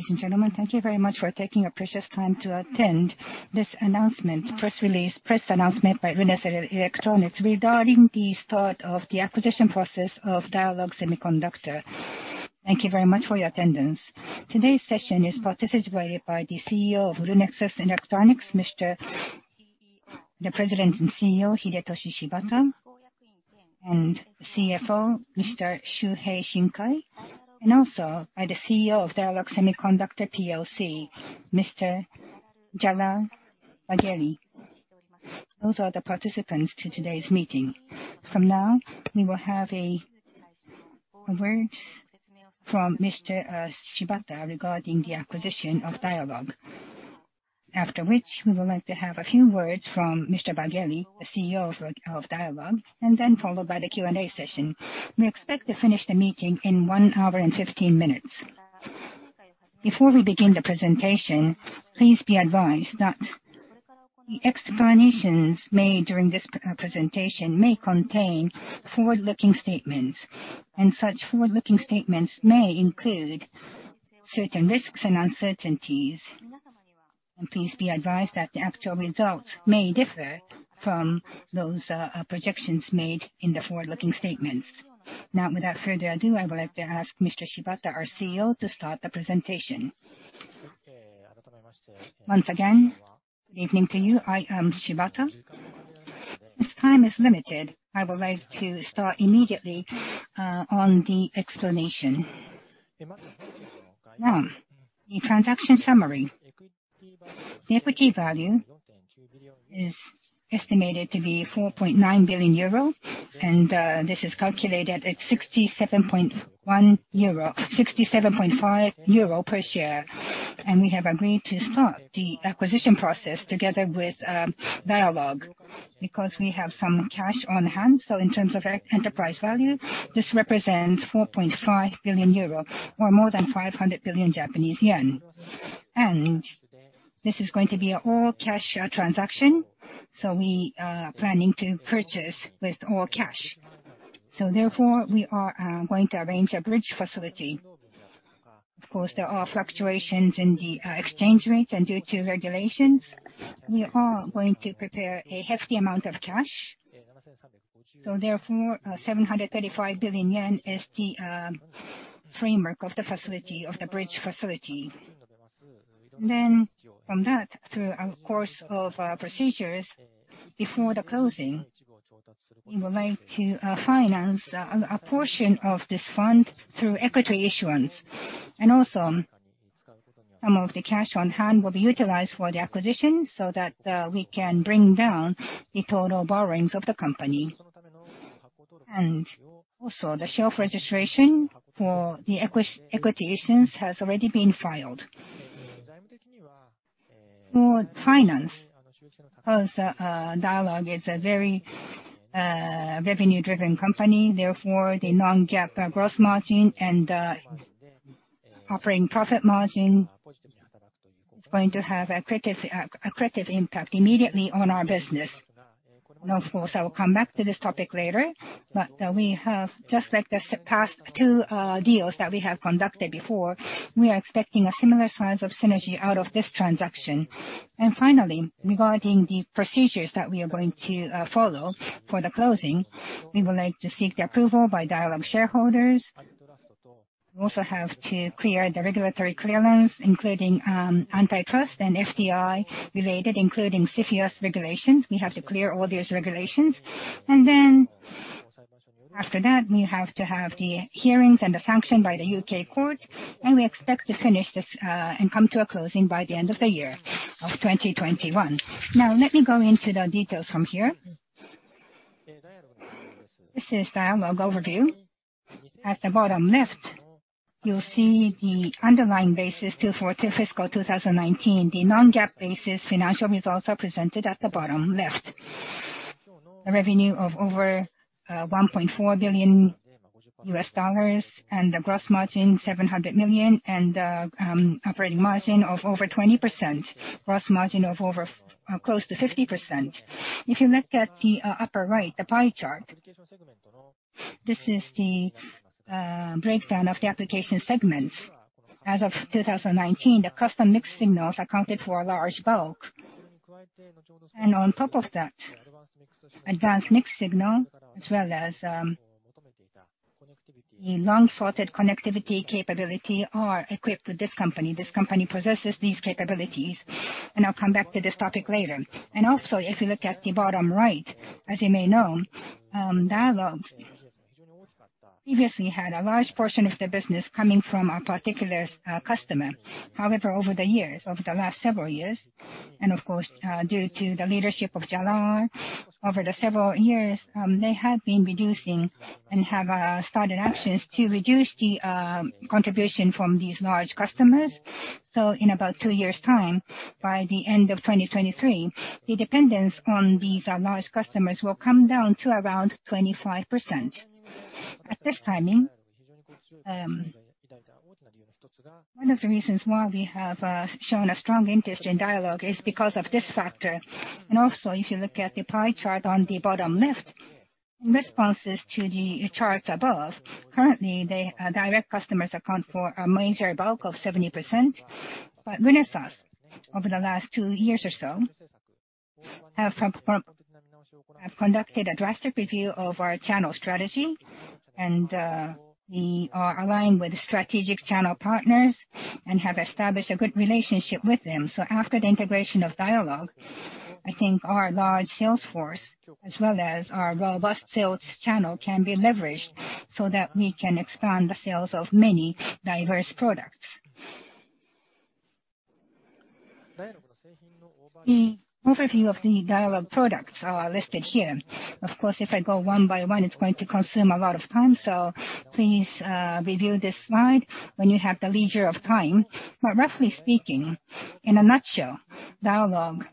Ladies and gentlemen, thank you very much for taking your precious time to attend this announcement, press release, press announcement by Renesas Electronics regarding the start of the acquisition process of Dialog Semiconductor. Thank you very much for your attendance. Today's session is participated by the CEO of Renesas Electronics, the President and CEO, Hidetoshi Shibata, and the CFO, Mr. Shuhei Shinkai, and also by the CEO of Dialog Semiconductor PLC, Mr. Jalal Bagherli. Those are the participants to today's meeting. From now, we will have words from Mr. Shibata regarding the acquisition of Dialog. After which, we would like to have a few words from Mr. Bagherli, the CEO of Dialog, and then followed by the Q&A session. We expect to finish the meeting in 1 hour and 15 minutes. Before we begin the presentation, please be advised that the explanations made during this presentation may contain forward-looking statements. Such forward-looking statements may include certain risks and uncertainties. Please be advised that the actual results may differ from those projections made in the forward-looking statements. Without further ado, I would like to ask Mr. Shibata, our CEO, to start the presentation. Once again, good evening to you. I am Shibata. As time is limited, I would like to start immediately on the explanation. One, the transaction summary. The equity value is estimated to be 4.9 billion euro. This is calculated at 67.5 euro per share. We have agreed to start the acquisition process together with Dialog because we have some cash on-hand. In terms of enterprise value, this represents 4.5 billion euro or more than 500 billion Japanese yen. This is going to be an all-cash transaction, we are planning to purchase with all cash. We are going to arrange a bridge facility. Of course, there are fluctuations in the exchange rates, due to regulations, we are going to prepare a hefty amount of cash. 735 billion yen is the framework of the bridge facility. From that, through a course of procedures before the closing, we would like to finance a portion of this fund through equity issuance. Some of the cash on-hand will be utilized for the acquisition so that we can bring down the total borrowings of the company. The shelf registration for the equity issuance has already been filed. For finance, Dialog is a very revenue-driven company, therefore the non-GAAP gross margin and the operating profit margin is going to have an accretive impact immediately on our business. Of course, I will come back to this topic later. We have, just like the past two deals that we have conducted before, we are expecting a similar size of synergy out of this transaction. Finally, regarding the procedures that we are going to follow for the closing, we would like to seek the approval by Dialog shareholders. We also have to clear the regulatory clearance, including antitrust and FDI related, including CFIUS regulations. We have to clear all these regulations. After that, we have to have the hearings and the sanction by the U.K. court, and we expect to finish this and come to a closing by the end of the year of 2021. Now let me go into the details from here. This is Dialog overview. At the bottom left, you'll see the underlying basis to fiscal 2019. The non-GAAP basis financial results are presented at the bottom left. A revenue of over $1.4 billion, the gross margin, $700 million, the operating margin of over 20%, gross margin of close to 50%. If you look at the upper right, the pie chart, this is the breakdown of the application segments. As of 2019, the custom mixed signal accounted for a large bulk. On top of that, advanced mixed signal, as well as the long-sought connectivity capability are equipped with this company. This company possesses these capabilities, I'll come back to this topic later. Also, if you look at the bottom right, as you may know, Dialog previously had a large portion of their business coming from a particular customer. However, over the last several years, and of course, due to the leadership of Jalal, they have been reducing and have started actions to reduce the contribution from these large customers. In about two years' time, by the end of 2023, the dependence on these large customers will come down to around 25%. At this timing, one of the reasons why we have shown a strong interest in Dialog is because of this factor. Also, if you look at the pie chart on the bottom left. In responses to the charts above, currently, the direct customers account for a major bulk of 70%. Renesas, over the last two years or so, have conducted a drastic review of our channel strategy, and we are aligned with strategic channel partners and have established a good relationship with them. After the integration of Dialog, I think our large sales force, as well as our robust sales channel, can be leveraged so that we can expand the sales of many diverse products. The overview of the Dialog products are listed here. Of course, if I go one by one, it's going to consume a lot of time, so please review this slide when you have the leisure of time. Roughly speaking, in a nutshell, Dialog,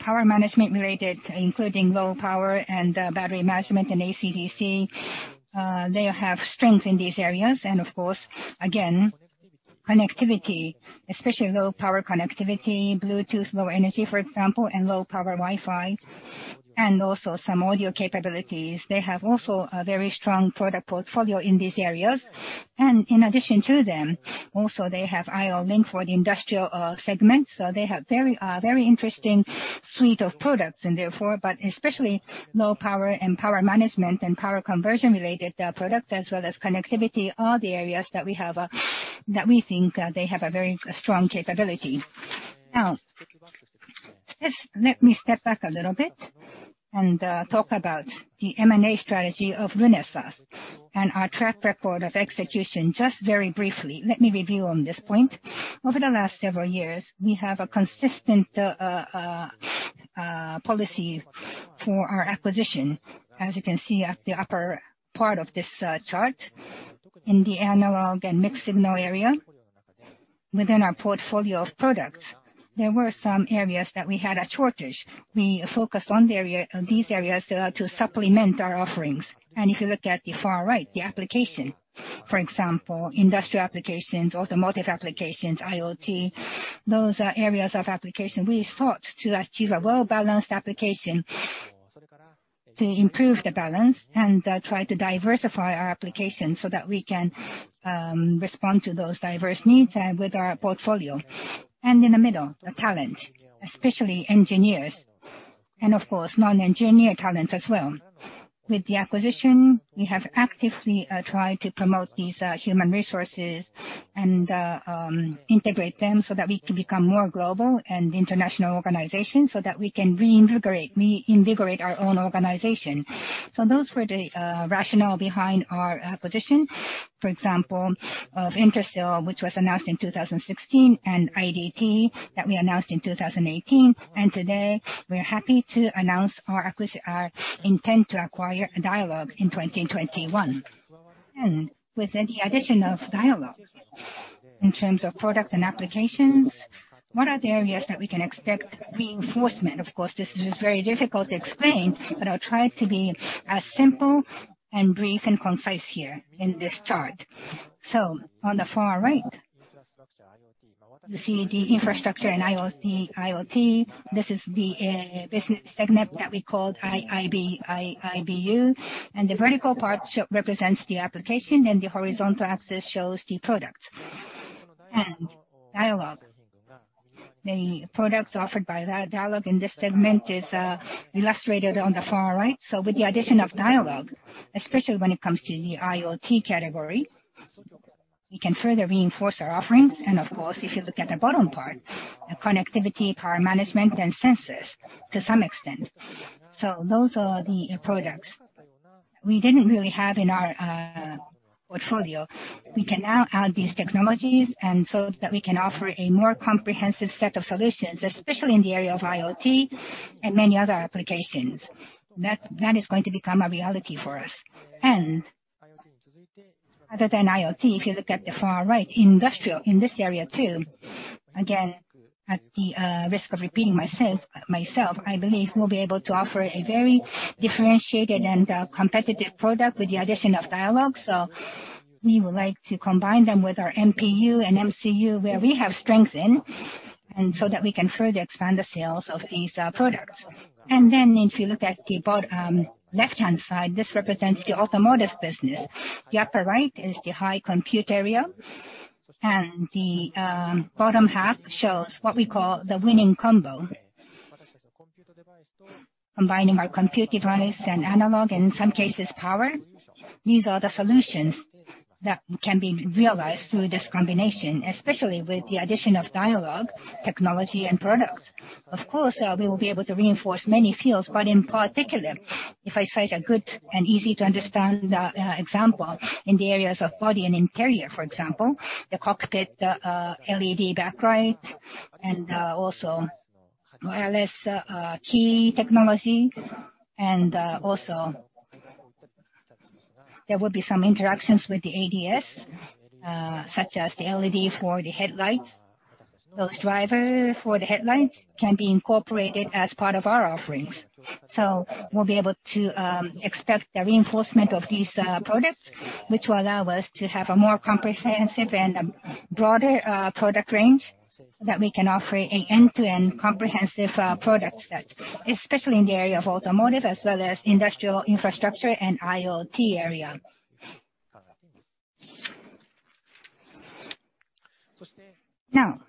power management related, including low power and battery management and AC/DC, they have strength in these areas. Of course, again, connectivity, especially low power connectivity, Bluetooth Low Energy, for example, and low power Wi-Fi, and also some audio capabilities. They have also a very strong product portfolio in these areas. In addition to them, also they have IO-Link for the industrial segment. They have very interesting suite of products, and therefore, but especially low power and power management and power conversion related products, as well as connectivity, are the areas that we think they have a very strong capability. Just let me step back a little bit and talk about the M&A strategy of Renesas and our track record of execution just very briefly. Let me review on this point. Over the last several years, we have a consistent policy for our acquisition. As you can see at the upper part of this chart, in the analog and mixed signal area, within our portfolio of products, there were some areas that we had a shortage. We focused on these areas to supplement our offerings. If you look at the far right, the application. For example, industrial applications, automotive applications, IoT. Those are areas of application we sought to achieve a well-balanced application to improve the balance and try to diversify our applications so that we can respond to those diverse needs with our portfolio. In the middle, the talent, especially engineers, and of course, non-engineer talents as well. With the acquisition, we have actively tried to promote these human resources and integrate them so that we can become more global and international organization so that we can reinvigorate our own organization. Those were the rationale behind our acquisition. For example, of Intersil, which was announced in 2016, and IDT, that we announced in 2018. Today, we are happy to announce our intent to acquire Dialog in 2021. With the addition of Dialog, in terms of products and applications, what are the areas that we can expect reinforcement? Of course, this is very difficult to explain, but I'll try to be as simple and brief and concise here in this chart. On the far right, you see the infrastructure and IoT. This is the business segment that we called IBU, and the vertical part represents the application, and the horizontal axis shows the product. Dialog. The products offered by Dialog in this segment is illustrated on the far right. With the addition of Dialog, especially when it comes to the IoT category, we can further reinforce our offerings. Of course, if you look at the bottom part, the connectivity, power management, and sensors to some extent. Those are the products we didn't really have in our portfolio. We can now add these technologies, so that we can offer a more comprehensive set of solutions, especially in the area of IoT and many other applications. That is going to become a reality for us. Other than IoT, if you look at the far right, industrial, in this area too, again, at the risk of repeating myself, I believe we'll be able to offer a very differentiated and competitive product with the addition of Dialog. We would like to combine them with our MPU and MCU, where we have strength in, so that we can further expand the sales of these products. If you look at the left-hand side, this represents the automotive business. The upper right is the high compute area, and the bottom half shows what we call the Winning Combo. Combining our compute device and analog, and in some cases, power. These are the solutions that can be realized through this combination, especially with the addition of Dialog technology and product. Of course, we will be able to reinforce many fields, but in particular, if I cite a good and easy to understand example, in the areas of body and interior, for example, the cockpit LED backlight, and also wireless key technology, and also there will be some interactions with the ADAS, such as the LED for the headlights. Those driver for the headlights can be incorporated as part of our offerings. We'll be able to expect the reinforcement of these products, which will allow us to have a more comprehensive and broader product range that we can offer an end-to-end comprehensive product set, especially in the area of automotive, as well as industrial infrastructure and IoT area. Now,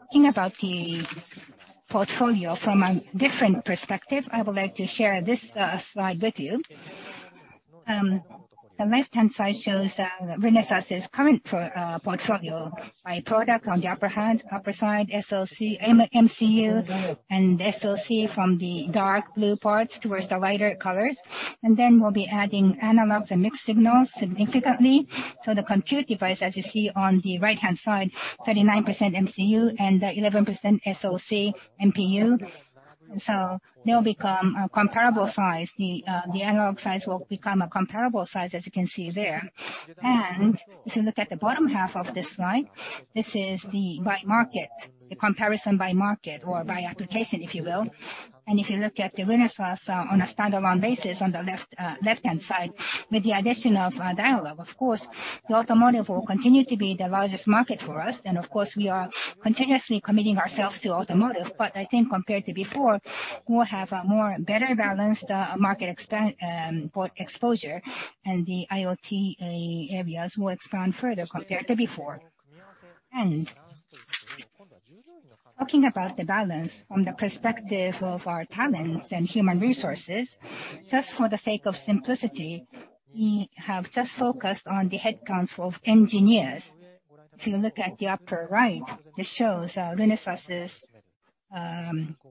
talking about the portfolio from a different perspective, I would like to share this slide with you. The left-hand side shows Renesas' current portfolio by product on the upper side, SLC, MCU, and SOC from the dark blue parts towards the lighter colors. Then we'll be adding analogs and mixed signals significantly. The compute device, as you see on the right-hand side, 39% MCU and 11% SOC, MPU. They'll become a comparable size. The analog size will become a comparable size, as you can see there. If you look at the bottom half of this slide, this is the by market, the comparison by market or by application, if you will. If you look at the Renesas on a standalone basis on the left-hand side, with the addition of Dialog Semiconductor, of course, the automotive will continue to be the largest market for us. Of course, we are continuously committing ourselves to automotive. I think compared to before, we'll have a more better balanced market exposure, and the IoT areas will expand further compared to before. Talking about the balance from the perspective of our talents and human resources, just for the sake of simplicity, we have just focused on the headcounts of engineers. If you look at the upper right, it shows Renesas'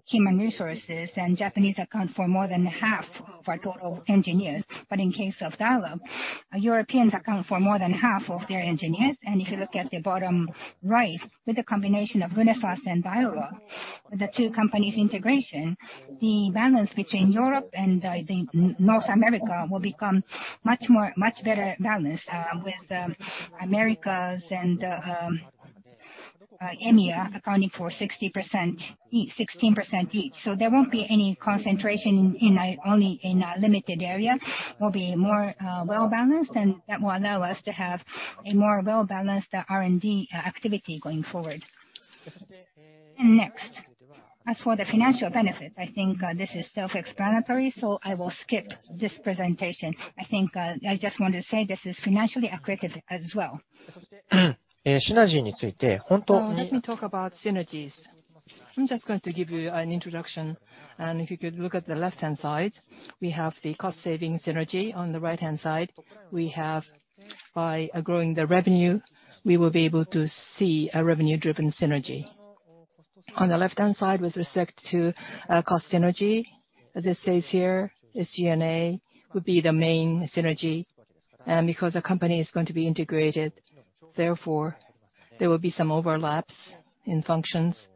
human resources, and Japanese account for more than half of our total engineers. In case of Dialog, Europeans account for more than half of their engineers. If you look at the bottom right, with the combination of Renesas and Dialog, the two companies' integration, the balance between Europe and, I think, North America will become much better balanced with Americas and EMEA accounting for 16% each. There won't be any concentration only in a limited area. We'll be more well-balanced, and that will allow us to have a more well-balanced R&D activity going forward. Next, as for the financial benefits, I think this is self-explanatory, so I will skip this presentation. I think I just want to say this is financially accretive as well. Now let me talk about synergies. I'm just going to give you an introduction, and if you could look at the left-hand side, we have the cost-saving synergy. On the right-hand side, we have by growing the revenue, we will be able to see a revenue-driven synergy. On the left-hand side, with respect to cost synergy, as it says here, SGA would be the main synergy because the company is going to be integrated. Therefore, there will be some overlaps in functions,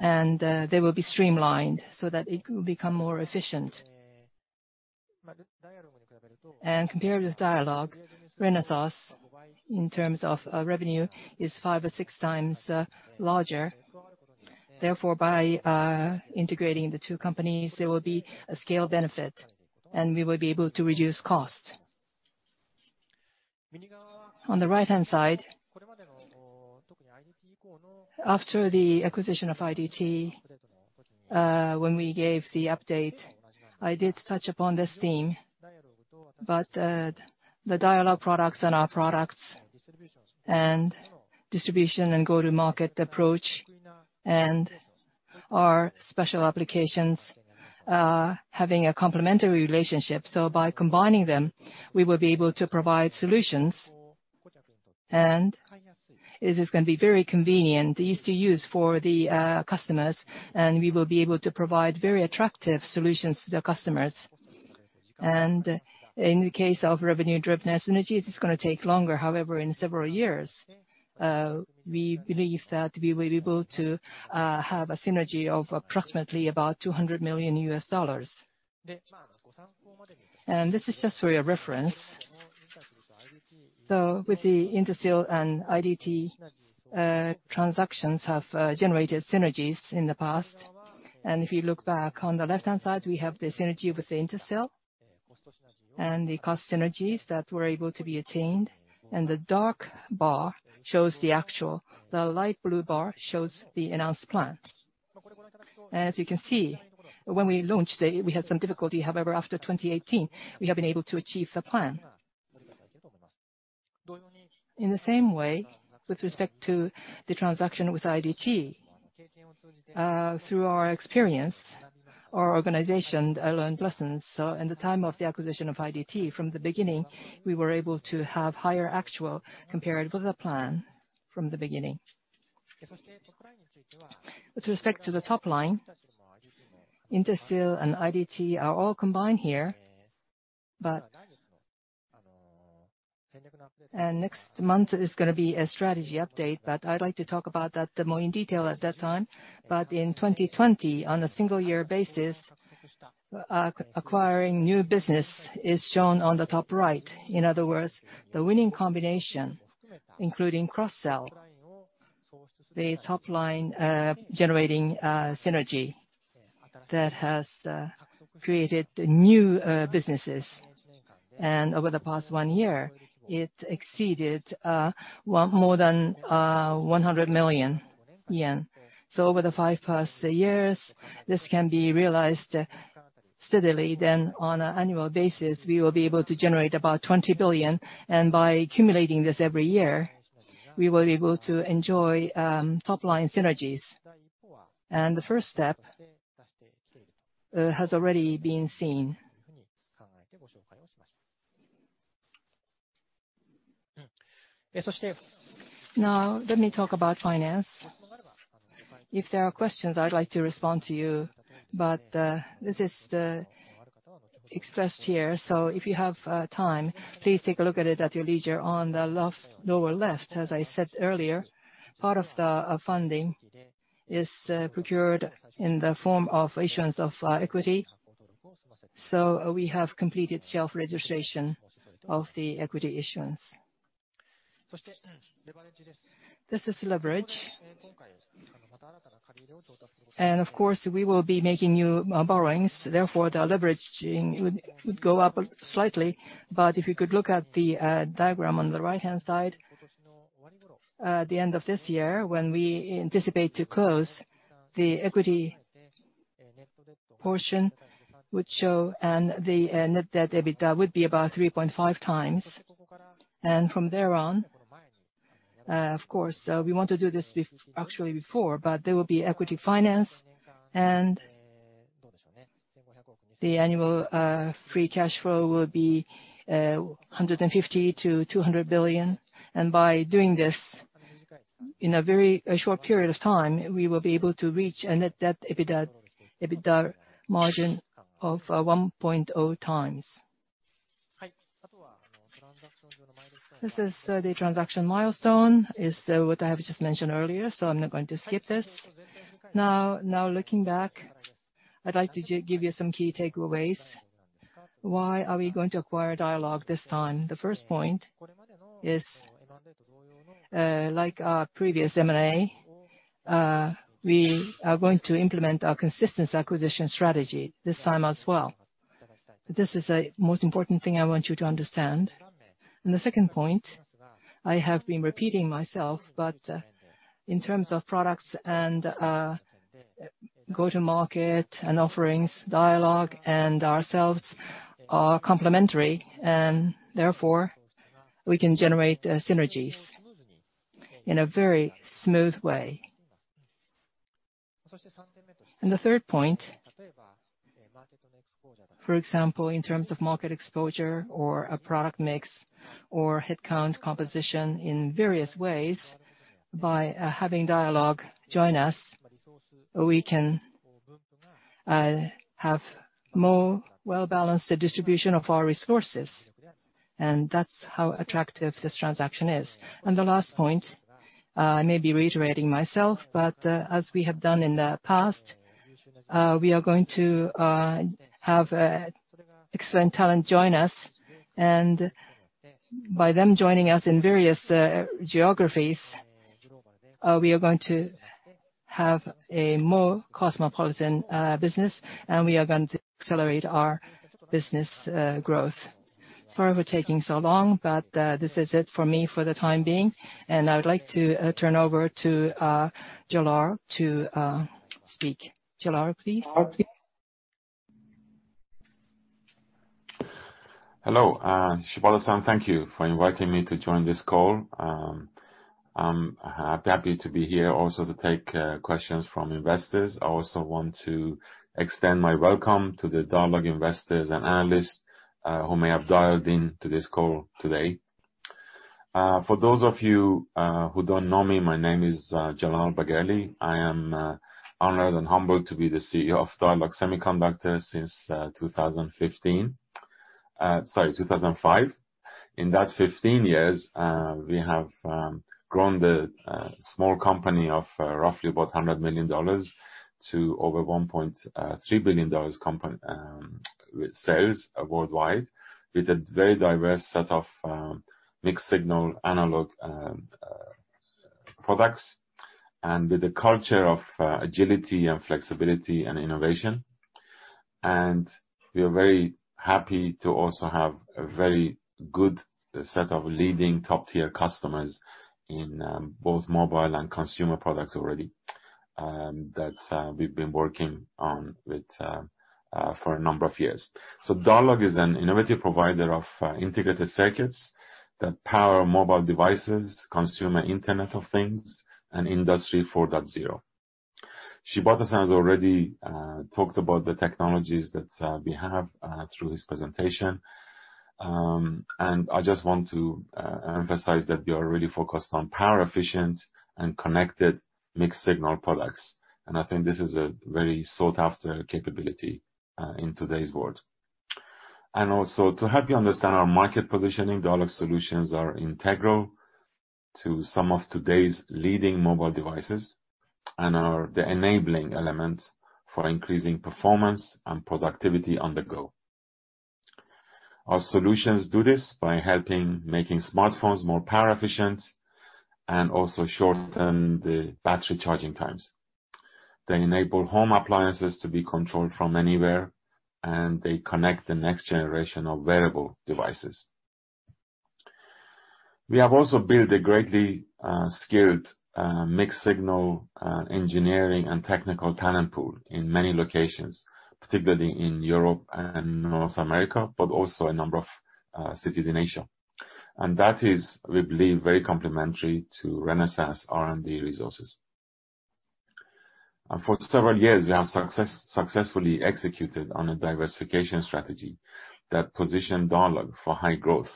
and they will be streamlined so that it will become more efficient. Compared with Dialog, Renesas, in terms of revenue, is five or 6x larger. Therefore, by integrating the two companies, there will be a scale benefit, and we will be able to reduce costs. On the right-hand side, after the acquisition of IDT, when we gave the update, I did touch upon this theme. The Dialog products and our products and distribution and go-to-market approach and our special applications are having a complementary relationship. By combining them, we will be able to provide solutions, and it is going to be very convenient, easy to use for the customers, and we will be able to provide very attractive solutions to the customers. In the case of revenue-driven synergy, it's going to take longer. However, in several years, we believe that we will be able to have a synergy of approximately about $200 million. This is just for your reference. With the Intersil and IDT transactions have generated synergies in the past. If you look back on the left-hand side, we have the synergy with the Intersil and the cost synergies that were able to be attained. The dark bar shows the actual, the light blue bar shows the announced plan. You can see, when we launched it, we had some difficulty. However, after 2018, we have been able to achieve the plan. In the same way, with respect to the transaction with IDT, through our experience, our organization learned lessons. At the time of the acquisition of IDT, from the beginning, we were able to have higher actual compared with the plan from the beginning. With respect to the top line, Intersil and IDT are all combined here. Next month is going to be a strategy update, but I'd like to talk about that more in detail at that time. In 2020, on a single year basis, acquiring new business is shown on the top right. In other words, the Winning Combo, including cross-sell, the top-line generating synergy that has created new businesses. Over the past one year, it exceeded more than 100 million yen. Over the 5+ years, this can be realized steadily. On an annual basis, we will be able to generate about 20 billion, and by accumulating this every year, we will be able to enjoy top-line synergies. The first step has already been seen. Now let me talk about finance. If there are questions, I'd like to respond to you, but this is expressed here, so if you have time, please take a look at it at your leisure. On the lower left, as I said earlier, part of the funding is procured in the form of issuance of equity. We have completed shelf registration of the equity issuance. This is leverage. Of course, we will be making new borrowings, therefore, the leverage would go up slightly. If you could look at the diagram on the right-hand side, the end of this year, when we anticipate to close the equity portion, would show the net debt EBITDA would be about 3.5x. From there on, of course, we want to do this actually before, but there will be equity finance and the annual free cash flow will be 150 billion-200 billion. By doing this in a very short period of time, we will be able to reach a net debt EBITDA margin of 1.0x. This is the transaction milestone, is what I have just mentioned earlier, so I'm now going to skip this. Now looking back, I'd like to give you some key takeaways. Why are we going to acquire Dialog this time? The first point is like our previous M&A, we are going to implement our consistent acquisition strategy this time as well. This is a most important thing I want you to understand. The second point, I have been repeating myself, but in terms of products and go-to-market and offerings, Dialog and ourselves are complementary, and therefore, we can generate synergies in a very smooth way. The third point, for example, in terms of market exposure or a product mix or headcount composition in various ways, by having Dialog join us, we can have more well-balanced distribution of our resources. That's how attractive this transaction is. The last point, I may be reiterating myself, but as we have done in the past, we are going to have excellent talent join us. By them joining us in various geographies, we are going to have a more cosmopolitan business, and we are going to accelerate our business growth. Sorry for taking so long, but this is it for me for the time being, and I would like to turn over to Jalal to speak. Jalal, please. Hello. Shibata-san, thank you for inviting me to join this call. I'm happy to be here also to take questions from investors. I also want to extend my welcome to the Dialog investors and analysts who may have dialed in to this call today. For those of you who don't know me, my name is Jalal Bagherli. I am honored and humbled to be the CEO of Dialog Semiconductor since 2015. Sorry, 2005. In that 15 years, we have grown the small company of roughly about JPY 100 million to over a JPY 1.3 billion company with sales worldwide, with a very diverse set of mixed signal analog products, and with a culture of agility and flexibility and innovation. We are very happy to also have a very good set of leading top-tier customers in both mobile and consumer products already that we've been working on with for a number of years. Dialog is an innovative provider of integrated circuits that power mobile devices, consumer Internet of Things, and Industry 4.0. Shibata-san has already talked about the technologies that we have through his presentation. I just want to emphasize that we are really focused on power efficient and connected mixed signal products. I think this is a very sought-after capability in today's world. Also to help you understand our market positioning, Dialog solutions are integral to some of today's leading mobile devices and are the enabling element for increasing performance and productivity on the go. Our solutions do this by helping making smartphones more power efficient and also shorten the battery charging times. They enable home appliances to be controlled from anywhere, and they connect the next generation of wearable devices. We have also built a greatly skilled mixed signal engineering and technical talent pool in many locations, particularly in Europe and North America, but also a number of cities in Asia. That is, we believe, very complementary to Renesas R&D resources. For several years, we have successfully executed on a diversification strategy that positioned Dialog for high growth.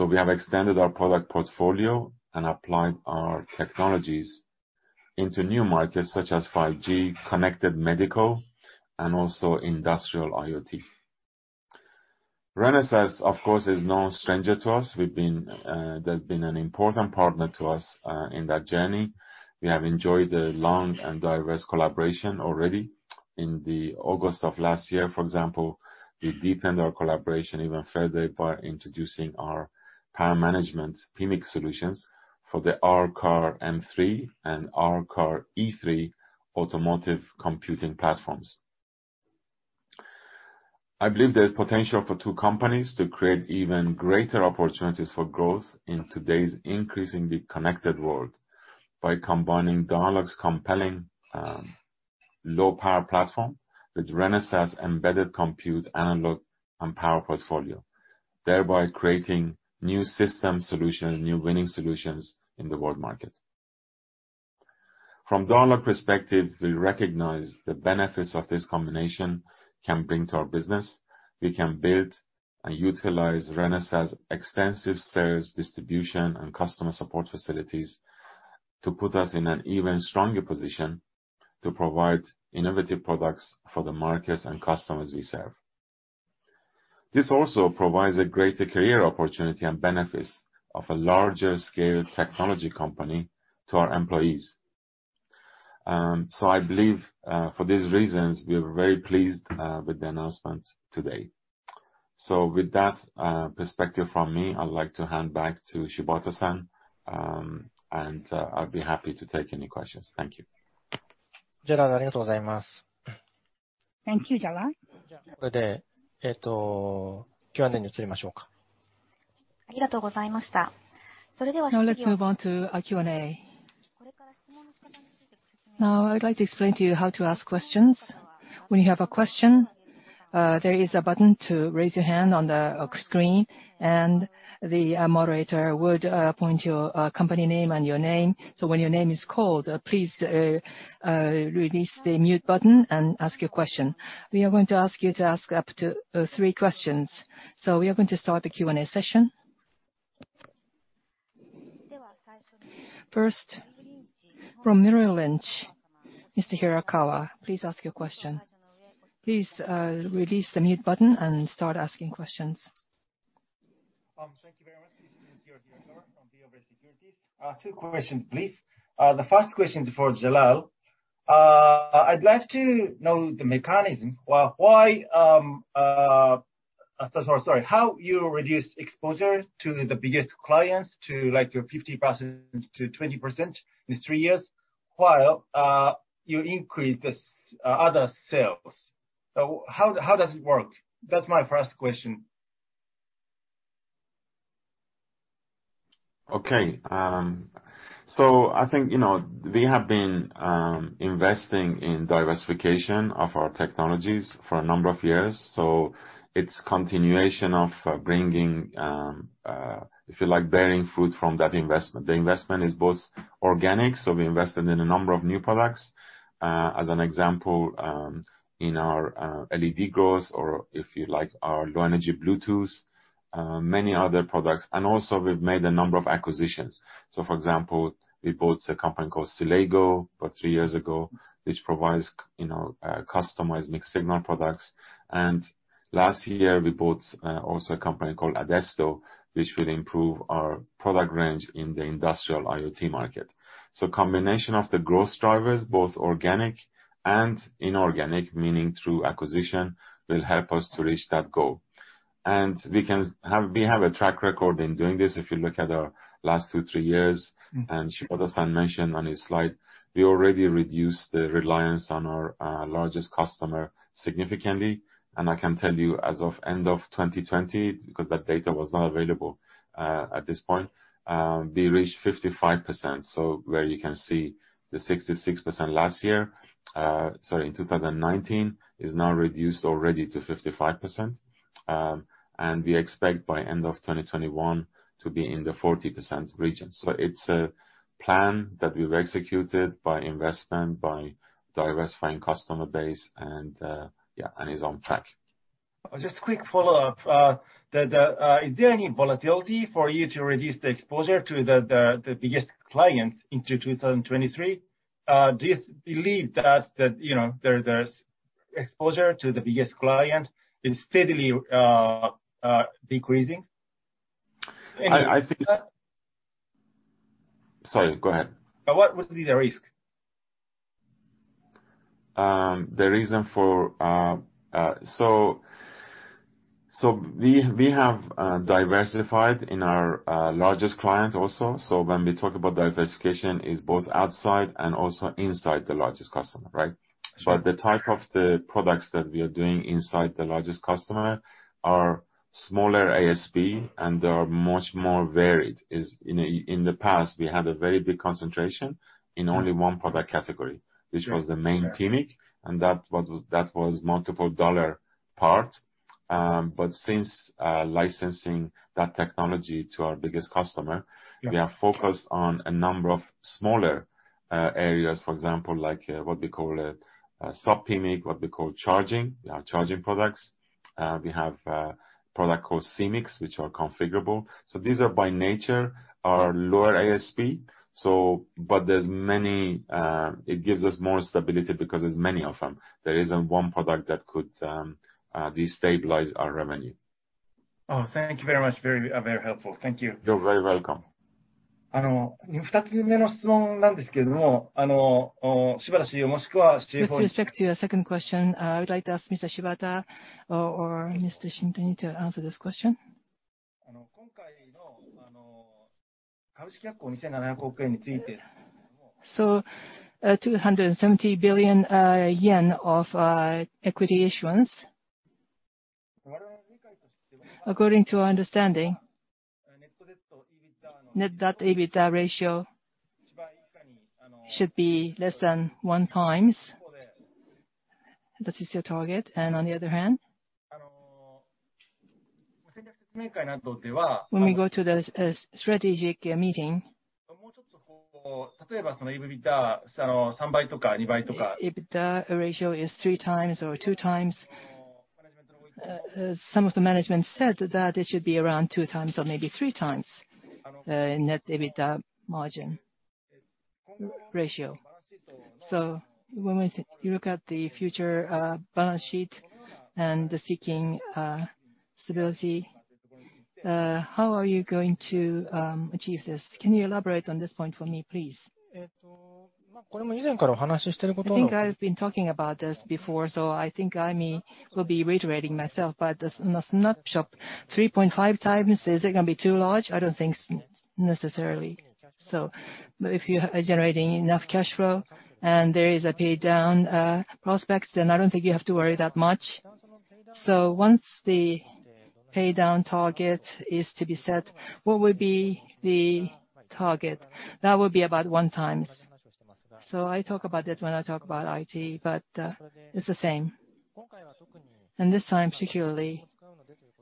We have extended our product portfolio and applied our technologies into new markets such as 5G, connected medical, and also industrial IoT. Renesas, of course, is no stranger to us. They've been an important partner to us in that journey. We have enjoyed a long and diverse collaboration already. In August of last year, for example, we deepened our collaboration even further by introducing our power management PMIC solutions for the R-Car M3 and R-Car E3 automotive computing platforms. I believe there's potential for two companies to create even greater opportunities for growth in today's increasingly connected world by combining Dialog's compelling low-power platform with Renesas embedded compute analog and power portfolio, thereby creating new system solutions, new winning solutions in the world market. From Dialog perspective, we recognize the benefits of this combination can bring to our business. We can build and utilize Renesas' extensive sales distribution and customer support facilities to put us in an even stronger position to provide innovative products for the markets and customers we serve. This also provides a greater career opportunity and benefits of a larger scale technology company to our employees. I believe, for these reasons, we are very pleased with the announcement today. With that perspective from me, I would like to hand back to Shibata-san, and I'd be happy to take any questions. Thank you. Thank you, Jalal. Now let's move on to Q&A. Now, I would like to explain to you how to ask questions. When you have a question, there is a button to raise your hand on the screen, and the moderator would point your company name and your name. When your name is called, please release the mute button and ask your question. We are going to ask you to ask up to three questions. We are going to start the Q&A session. First, from Merrill Lynch, Mr. Hirakawa, please ask your question. Please release the mute button and start asking questions. Thank you very much. This is Mikio Hirakawa from BofA Securities. Two questions, please. The first question is for Jalal. I'd like to know the mechanism. How you reduce exposure to the biggest clients to your 50%-20% in three years while you increase the other sales? How does it work? That's my first question. I think we have been investing in diversification of our technologies for a number of years. It's continuation of bringing, if you like, bearing fruit from that investment. The investment is both organic, we invested in a number of new products. As an example, in our LED growth, or if you like, our low-energy Bluetooth, many other products. Also we've made a number of acquisitions. For example, we bought a company called Silego about three years ago, which provides customized mixed signal products. Last year we bought also a company called Adesto, which will improve our product range in the industrial IoT market. Combination of the growth drivers, both organic and inorganic, meaning through acquisition, will help us to reach that goal. We have a track record in doing this. If you look at our last two, three years, Shibata-san mentioned on his slide, we already reduced the reliance on our largest customer significantly. I can tell you as of end of 2020, because that data was not available at this point, we reached 55%. Where you can see the 66% last year, sorry, in 2019, is now reduced already to 55%. We expect by end of 2021 to be in the 40% region. It's a plan that we've executed by investment, by diversifying customer base and is on track. Just quick follow-up. Is there any volatility for you to reduce the exposure to the biggest clients into 2023? Do you believe that the exposure to the biggest client is steadily decreasing? Sorry, go ahead. What would be the risk? We have diversified in our largest client also. When we talk about diversification is both outside and also inside the largest customer, right? Sure. The type of the products that we are doing inside the largest customer are smaller ASP, and they are much more varied. In the past, we had a very big concentration in only one product category. Sure. Which was the main PMIC, and that was multiple dollar part. Since licensing that technology to our biggest customer. Yeah. We have focused on a number of smaller areas, for example, what we call sub-PMIC, what we call charging products. We have a product called CMICs, which are configurable. These are by nature lower ASP. It gives us more stability because there's many of them. There isn't one product that could destabilize our revenue. Oh, thank you very much. Very helpful. Thank you. You're very welcome. With respect to your second question, I would like to ask Mr. Shibata or Mr. Shinkai to answer this question. JPY 270 billion of equity issuance. According to our understanding, net debt to EBITDA ratio should be less than 1 time. This is your target. On the other hand, when we go to the strategic meeting, EBITDA ratio is 3x or 2x. Some of the management said that it should be around 2x or maybe 3x net EBITDA margin ratio. When you look at the future balance sheet and the seeking stability, how are you going to achieve this? Can you elaborate on this point for me, please? I think I've been talking about this before, so I think I may be reiterating myself, but in a nutshell, 3.5x, is it going to be too large? I don't think necessarily so. If you are generating enough cash flow and there is a pay down prospects, then I don't think you have to worry that much. Once the pay down target is to be set, what will be the target? That will be about 1x. I talk about that when I talk about IDT, but it's the same. This time, particularly,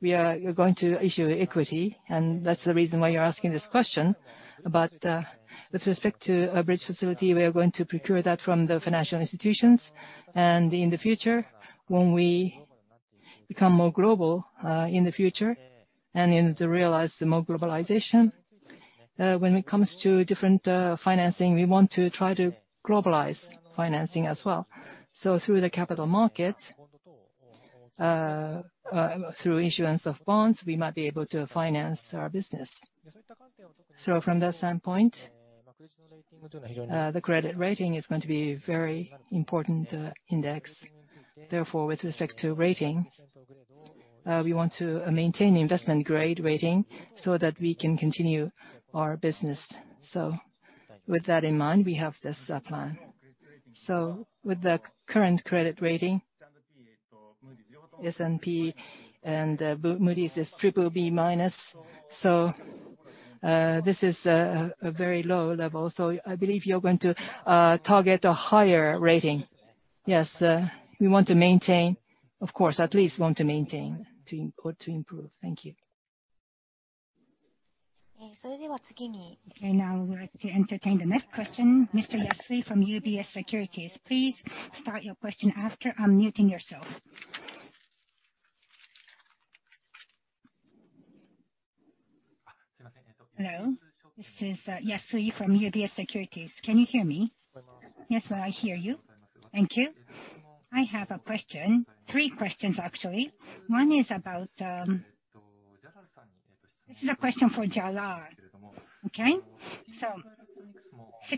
we are going to issue equity, and that's the reason why you're asking this question. With respect to a bridge facility, we are going to procure that from the financial institutions. In the future, when we become more global in the future and to realize more globalization, when it comes to different financing, we want to try to globalize financing as well. Through the capital markets, through issuance of bonds, we might be able to finance our business. From that standpoint, the credit rating is going to be a very important index. With respect to rating, we want to maintain investment grade rating so that we can continue our business. With that in mind, we have this plan. With the current credit rating, S&P and Moody's is BBB-. This is a very low level. I believe you're going to target a higher rating. Yes. We want to maintain, of course, at least want to maintain or to improve. Thank you. Okay, now we'd like to entertain the next question, Mr. Yasui from UBS Securities. Please start your question after unmuting yourself. Hello, this is Yasui from UBS Securities. Can you hear me? Yes, I hear you. Thank you. I have a question, three questions, actually. One is about, this is a question for Jalal. Okay., I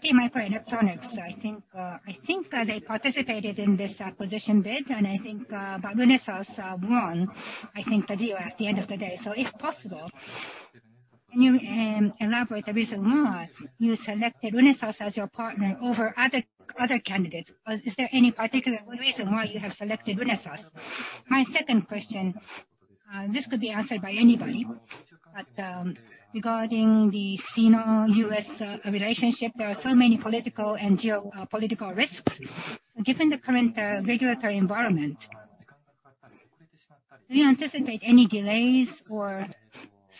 think they participated in this acquisition bid, and Renesas won the deal at the end of the day. If possible, can you elaborate the reason why you selected Renesas as your partner over other candidates? Is there any particular reason why you have selected Renesas? My second question, this could be answered by anybody, but regarding the Sino-US relationship, there are so many political and geopolitical risks. Given the current regulatory environment, do you anticipate any delays or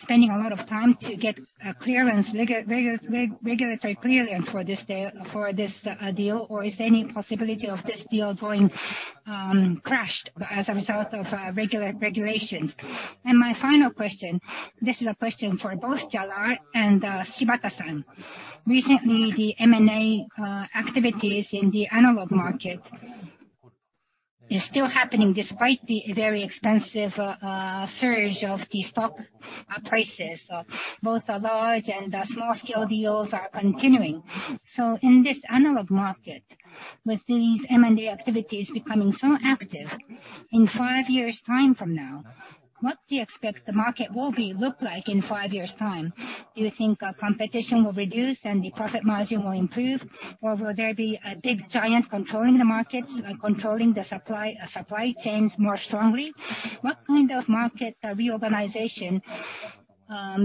spending a lot of time to get regulatory clearance for this deal? Or is there any possibility of this deal going crashed as a result of regulations? My final question, this is a question for both Jalal and Shibata-san. Recently, the M&A activities in the analog market is still happening despite the very expensive surge of the stock prices. Both the large and the small scale deals are continuing. In this analog market, with these M&A activities becoming so active, in five years' time from now, what do you expect the market will look like in five years' time? Do you think competition will reduce and the profit margin will improve, or will there be a big giant controlling the markets and controlling the supply chains more strongly? What kind of market reorganization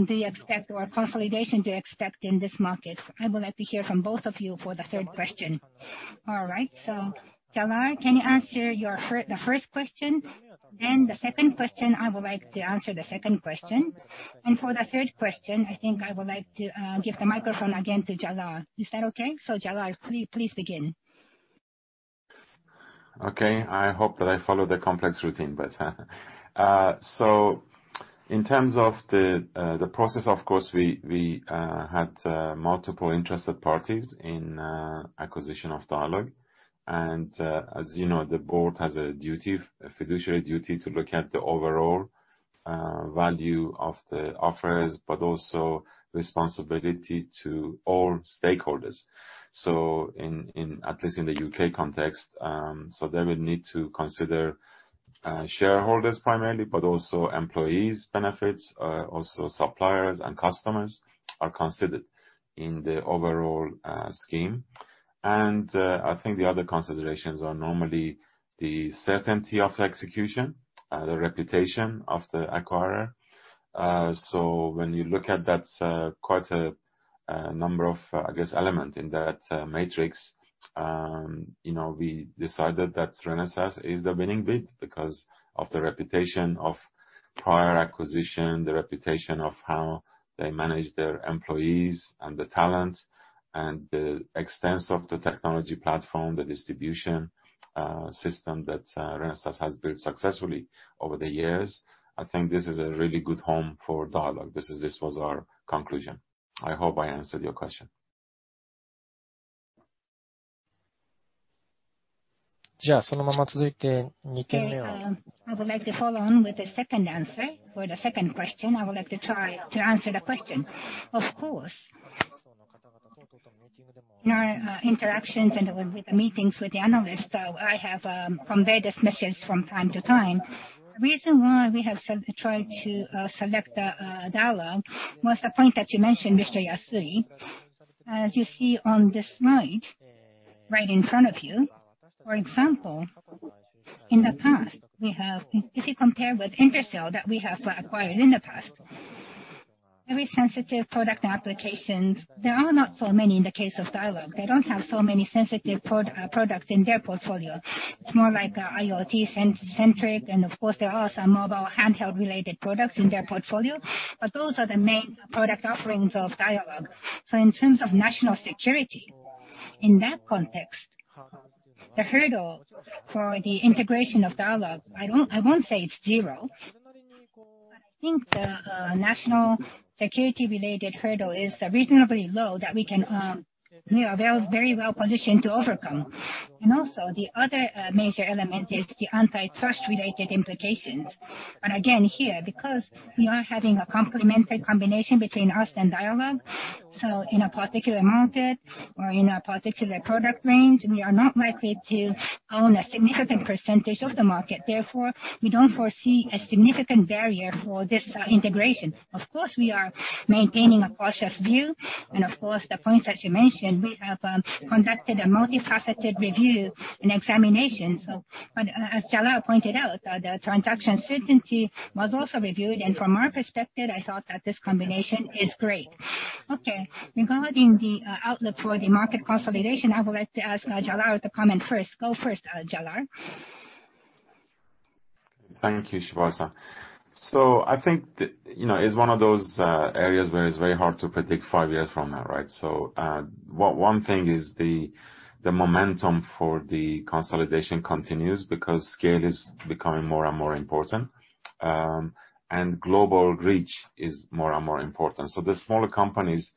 do you expect, or consolidation, do you expect in this market? I would like to hear from both of you for the third question. All right. Jalal, can you answer the first question? The second question, I would like to answer the second question. For the third question, I think I would like to give the microphone again to Jalal. Is that okay? Jalal, please begin. Okay. I hope that I follow the complex routine. In terms of the process, of course, we had multiple interested parties in acquisition of Dialog. As you know, the board has a fiduciary duty to look at the overall value of the offers, but also responsibility to all stakeholders. At least in the U.K. context, they will need to consider shareholders primarily, but also employees' benefits. Also suppliers and customers are considered in the overall scheme. I think the other considerations are normally the certainty of the execution, the reputation of the acquirer. When you look at that, quite a number of elements in that matrix. We decided that Renesas is the winning bid because of the reputation of prior acquisition, the reputation of how they manage their employees and the talent, and the extents of the technology platform, the distribution system that Renesas has built successfully over the years. I think this is a really good home for Dialog. This was our conclusion. I hope I answered your question. I would like to follow on with the second answer. For the second question, I would like to try to answer the question. Of course, in our interactions and with the meetings with the analysts, I have conveyed this message from time to time. The reason why we have tried to select Dialog was the point that you mentioned, Mr. Yasui. As you see on this slide right in front of you, for example, in the past, if you compare with Intersil that we have acquired in the past, very sensitive product applications, there are not so many in the case of Dialog. They don't have so many sensitive products in their portfolio. Of course, there are some mobile handheld related products in their portfolio. Those are the main product offerings of Dialog. In terms of national security, in that context, the hurdle for the integration of Dialog, I won't say it is zero, but I think the national security related hurdle is reasonably low that we are very well positioned to overcome. Also, the other major element is the antitrust related implications. Again, here, because we are having a complementary combination between us and Dialog. In a particular market or in a particular product range, we are not likely to own a significant percentage of the market. Therefore, we don't foresee a significant barrier for this integration. Of course, we are maintaining a cautious view. Of course, the points that you mentioned, we have conducted a multifaceted review and examination. As Jalal pointed out, the transaction certainty was also reviewed, and from our perspective, I thought that this combination is great. Okay. Regarding the outlook for the market consolidation, I would like to ask Jalal to comment first. Go first, Jalal. Thank you, Shibata. I think it's one of those areas where it's very hard to predict five years from now, right? One thing is the momentum for the consolidation continues because scale is becoming more and more important. Global reach is more and more important. The smaller companies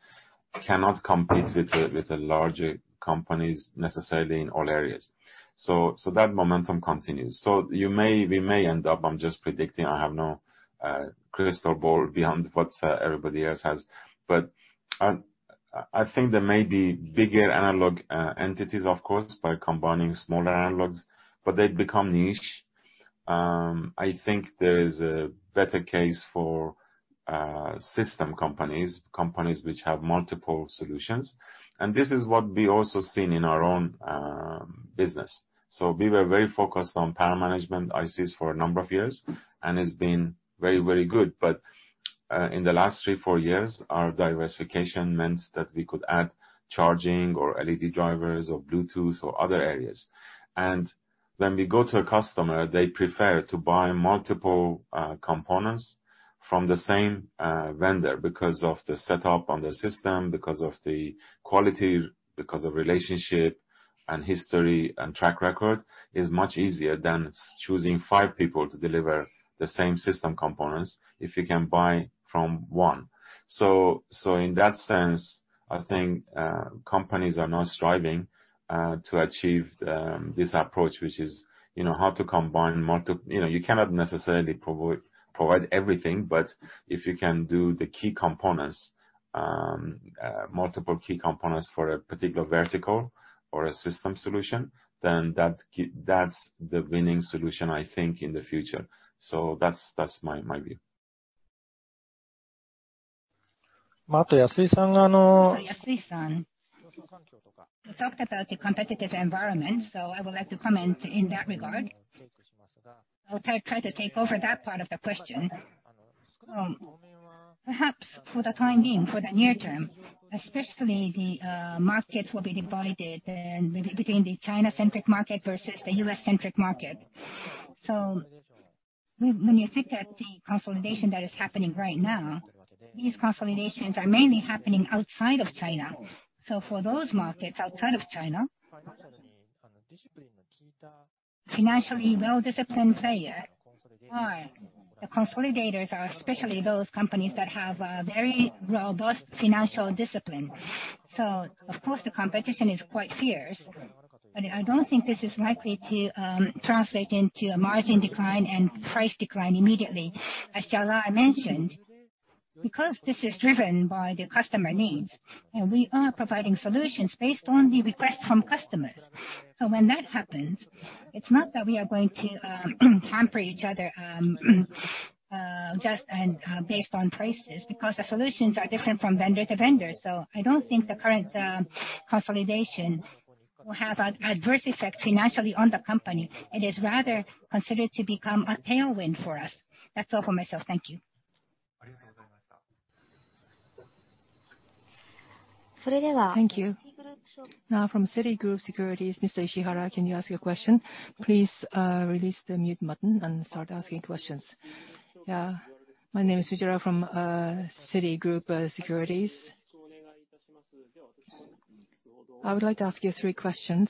cannot compete with the larger companies necessarily in all areas. That momentum continues. We may end up, I'm just predicting, I have no crystal ball beyond what everybody else has, but I think there may be bigger analog entities, of course, by combining smaller analogs. They become niche. I think there is a better case for system companies which have multiple solutions. This is what we also seen in our own business. We were very focused on power management ICs for a number of years, and it's been very good. In the last three, four years, our diversification meant that we could add charging or LED drivers or Bluetooth or other areas. When we go to a customer, they prefer to buy multiple components from the same vendor because of the setup on the system, because of the quality, because of relationship and history and track record. It's much easier than choosing five people to deliver the same system components, if you can buy from one. In that sense, I think companies are now striving to achieve this approach, which is how to combine. You cannot necessarily provide everything, but if you can do multiple key components for a particular vertical or a system solution, then that's the winning solution, I think, in the future. That's my view. Yasui-san, you talked about the competitive environment. I would like to comment in that regard. I'll try to take over that part of the question. Perhaps for the time being, for the near term, especially, the markets will be divided between the China-centric market versus the U.S.-centric market. When you look at the consolidation that is happening right now, these consolidations are mainly happening outside of China. For those markets outside of China, financially well-disciplined players are the consolidators, especially those companies that have a very robust financial discipline. Of course, the competition is quite fierce, but I don't think this is likely to translate into a margin decline and price decline immediately. As Jalal mentioned, because this is driven by the customer needs, and we are providing solutions based on the request from customers. When that happens, it's not that we are going to hamper each other just based on prices, because the solutions are different from vendor to vendor. I don't think the current consolidation will have an adverse effect financially on the company. It is rather considered to become a tailwind for us. That's all for myself. Thank you. Thank you. Now from Citigroup, Mr. Ishihara, can you ask your question? Please release the mute button and start asking questions. My name is Ishihara from Citigroup. I would like to ask you three questions.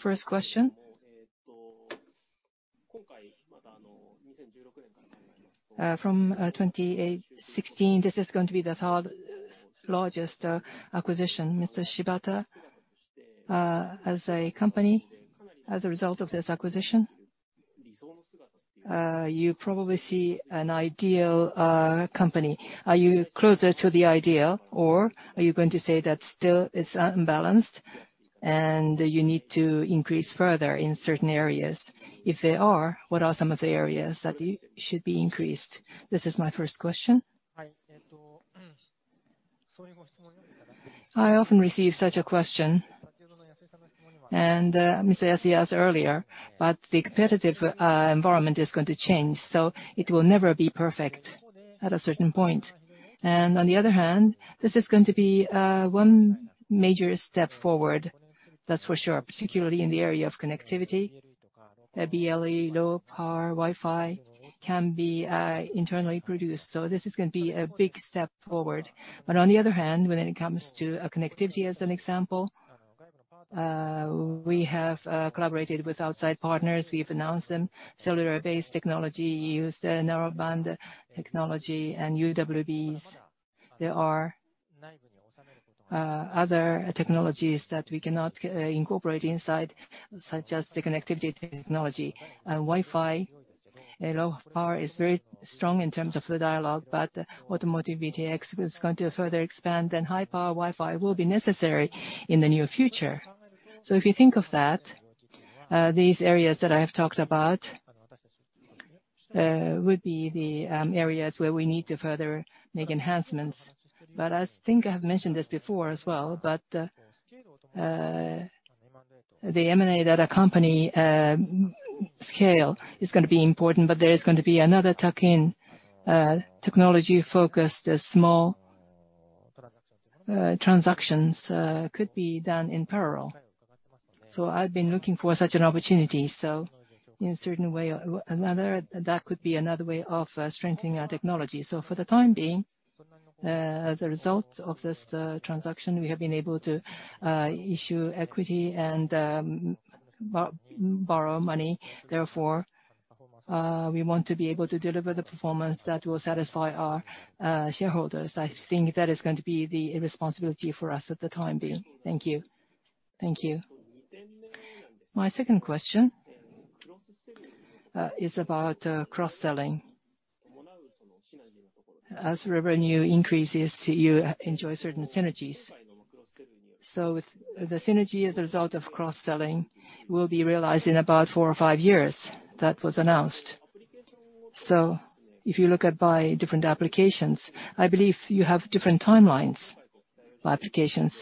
First question, from 2016, this is going to be the third largest acquisition. Mr. Shibata, as a company, as a result of this acquisition, you probably see an ideal company. Are you closer to the ideal, or are you going to say that still it's unbalanced, and you need to increase further in certain areas? If there are, what are some of the areas that should be increased? This is my first question. I often receive such a question. Mr. Yasui asked earlier. The competitive environment is going to change. It will never be perfect at a certain point. On the other hand, this is going to be one major step forward. That's for sure, particularly in the area of connectivity. A BLE low-power Wi-Fi can be internally produced, so this is going to be a big step forward. On the other hand, when it comes to connectivity as an example, we have collaborated with outside partners. We've announced them. Cellular-based technology used, narrowband technology and UWBs. There are other technologies that we cannot incorporate inside, such as the connectivity technology. Wi-Fi and low power is very strong in terms of the Dialog, but automotive V2X is going to further expand, and high-power Wi-Fi will be necessary in the near future. If you think of that, these areas that I have talked about would be the areas where we need to further make enhancements. I think I have mentioned this before as well, but the M&A that accompany scale is going to be important, but there is going to be another tuck-in technology focused as small transactions could be done in parallel. I've been looking for such an opportunity. In a certain way, that could be another way of strengthening our technology. For the time being, as a result of this transaction, we have been able to issue equity and borrow money. Therefore, we want to be able to deliver the performance that will satisfy our shareholders. I think that is going to be the responsibility for us at the time being. Thank you. Thank you. My second question is about cross-selling. As revenue increases, you enjoy certain synergies. The synergy as a result of cross-selling will be realized in about four or five years. That was announced. If you look at by different applications, I believe you have different timelines by applications.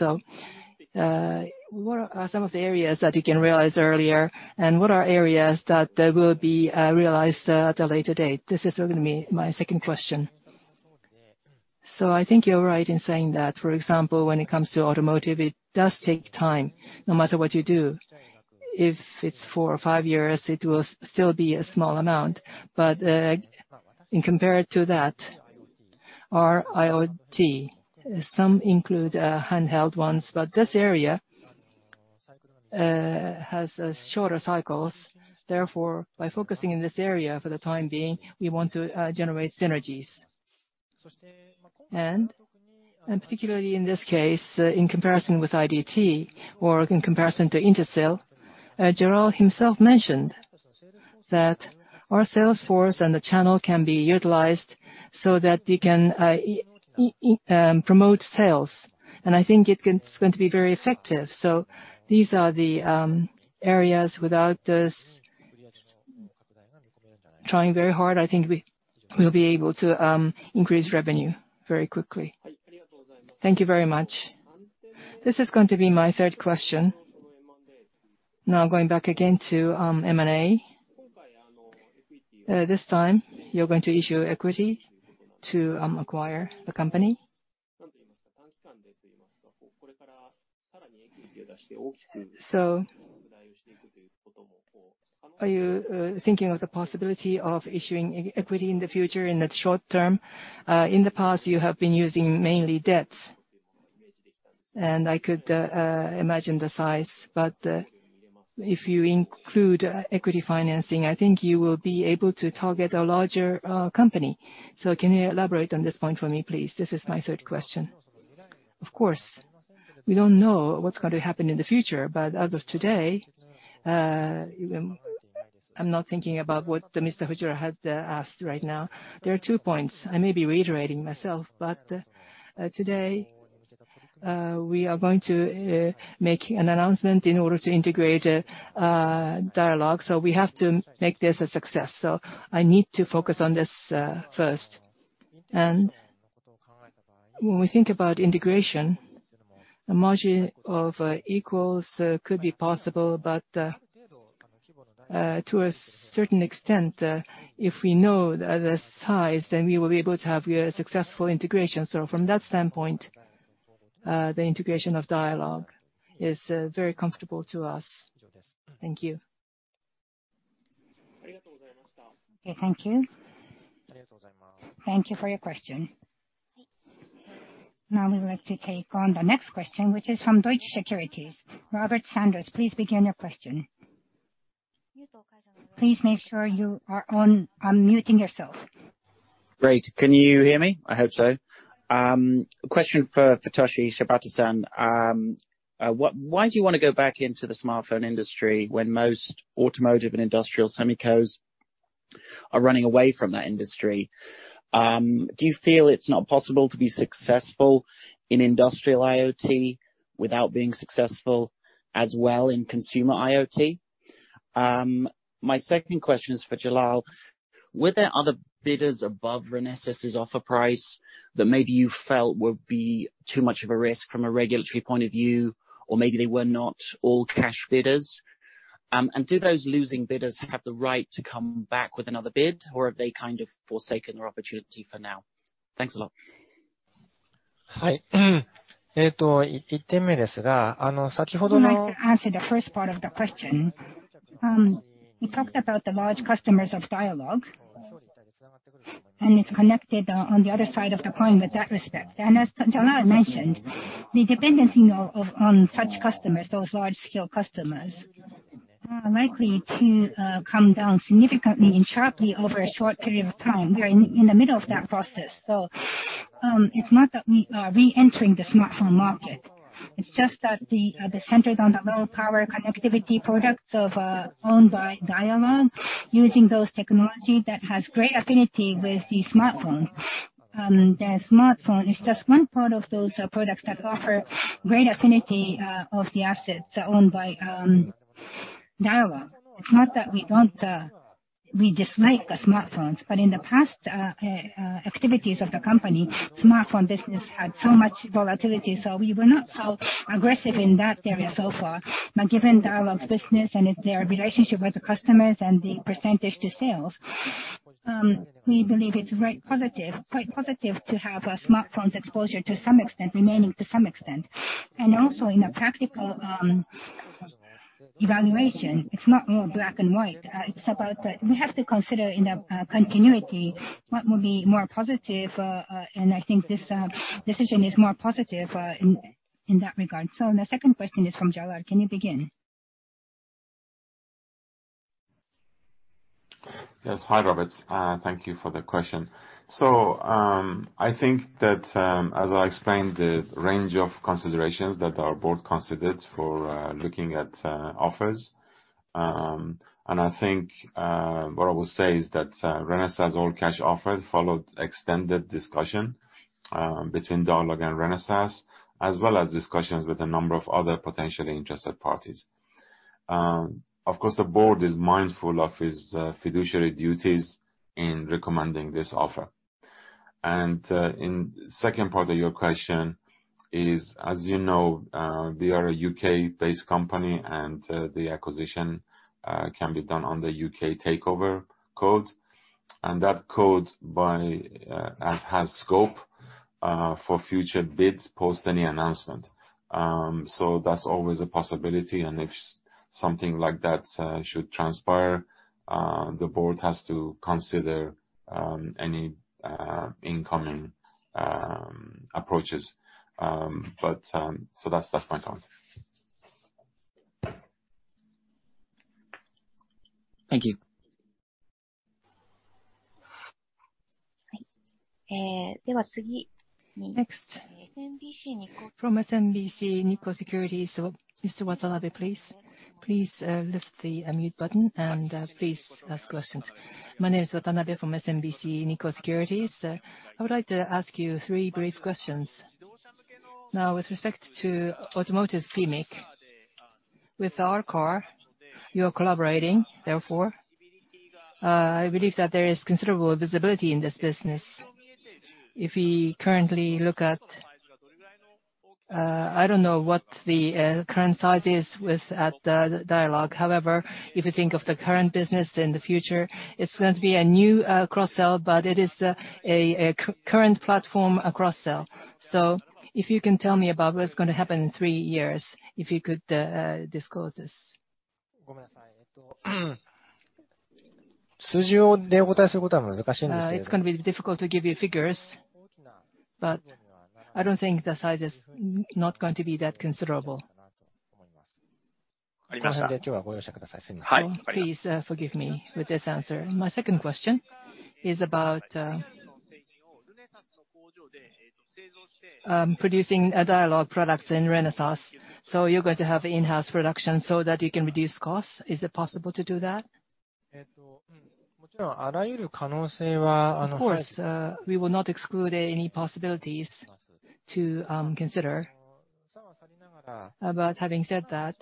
What are some of the areas that you can realize earlier, and what are areas that will be realized at a later date? This is going to be my second question. I think you're right in saying that, for example, when it comes to automotive, it does take time, no matter what you do. If it's four or five years, it will still be a small amount. In compared to that, our IoT, some include handheld ones, but this area has shorter cycles. Therefore, by focusing in this area for the time being, we want to generate synergies. Particularly in this case, in comparison with IDT or in comparison to Intersil, Jalal himself mentioned that our sales force and the channel can be utilized so that they can promote sales. I think it's going to be very effective. These are the areas, without us trying very hard, I think we'll be able to increase revenue very quickly. Thank you very much. This is going to be my third question. Now, going back again to M&A. This time, you're going to issue equity to acquire the company. Are you thinking of the possibility of issuing equity in the future in the short term? In the past, you have been using mainly debts, and I could imagine the size, but if you include equity financing, I think you will be able to target a larger company. Can you elaborate on this point for me, please? This is my third question. Of course, we don't know what's going to happen in the future, but as of today, I'm not thinking about what Mr. Ishihara has asked right now. There are two points. I may be reiterating myself, but today we are going to make an announcement in order to integrate Dialog, so we have to make this a success. I need to focus on this first. When we think about integration, a margin of equals could be possible, but to a certain extent, if we know the size, then we will be able to have a successful integration. From that standpoint, the integration of Dialog is very comfortable to us. Thank you. Okay, thank you. Thank you for your question. We would like to take on the next question, which is from Deutsche Bank. Robert Sanders, please begin your question. Please make sure you are unmuting yourself. Great. Can you hear me? I hope so. Question for Hidetoshi Shibata-san. Why do you want to go back into the smartphone industry when most automotive and industrial semicos are running away from that industry? Do you feel it's not possible to be successful in industrial IoT without being successful as well in consumer IoT? My second question is for Jalal. Were there other bidders above Renesas' offer price that maybe you felt would be too much of a risk from a regulatory point of view, or maybe they were not all-cash bidders? Do those losing bidders have the right to come back with another bid, or have they kind of forsaken their opportunity for now? Thanks a lot. I'd like to answer the first part of the question. We talked about the large customers of Dialog, and it's connected on the other side of the coin with that respect. As Jalal mentioned, the dependency on such customers, those large-scale customers, are likely to come down significantly and sharply over a short period of time. We're in the middle of that process. It's not that we are reentering the smartphone market. It's just that they're centered on the low-power connectivity products owned by Dialog, using those technology that has great affinity with the smartphones. The smartphone is just one part of those products that offer great affinity of the assets owned by Dialog. It's not that we dislike the smartphones, but in the past activities of the company, smartphone business had so much volatility, so we were not so aggressive in that area so far. Given Dialog's business and their relationship with the customers and the percentage to sales, we believe it's quite positive to have a smartphone's exposure to some extent, remaining to some extent. Also in a practical evaluation, it's not all black and white. It's about we have to consider in a continuity what would be more positive, and I think this decision is more positive in that regard. The second question is from Jalal. Can you begin? Yes. Hi, Robert. Thank you for the question. I think that as I explained, the range of considerations that our board considered for looking at offers, and I think what I will say is that Renesas' all-cash offer followed extended discussion between Dialog and Renesas, as well as discussions with a number of other potentially interested parties. Of course, the board is mindful of its fiduciary duties in recommending this offer. In second part of your question is, as you know, we are a U.K.-based company, and the acquisition can be done under UK Takeover Code, and that code has scope for future bids post any announcement. That's always a possibility, and if something like that should transpire, the board has to consider any incoming approaches. That's my comment. Thank you. Next. From SMBC Nikko Securities, Mr. Watanabe, please. Please lift the mute button and please ask questions. My name is Watanabe from SMBC Nikko Securities. I would like to ask you three brief questions. With respect to automotive CMIC, with R-Car, you are collaborating, therefore, I believe that there is considerable visibility in this business. If we currently look at, I don't know what the current size is with Dialog. If you think of the current business in the future, it's going to be a new cross-sell, but it is a current platform cross-sell. If you can tell me about what's going to happen in three years, if you could disclose this. It's going to be difficult to give you figures, but I don't think the size is going to be that considerable. Please forgive me with this answer. My second question is about producing Dialog products in Renesas. You're going to have in-house production so that you can reduce costs. Is it possible to do that? Of course, we will not exclude any possibilities to consider. Having said that,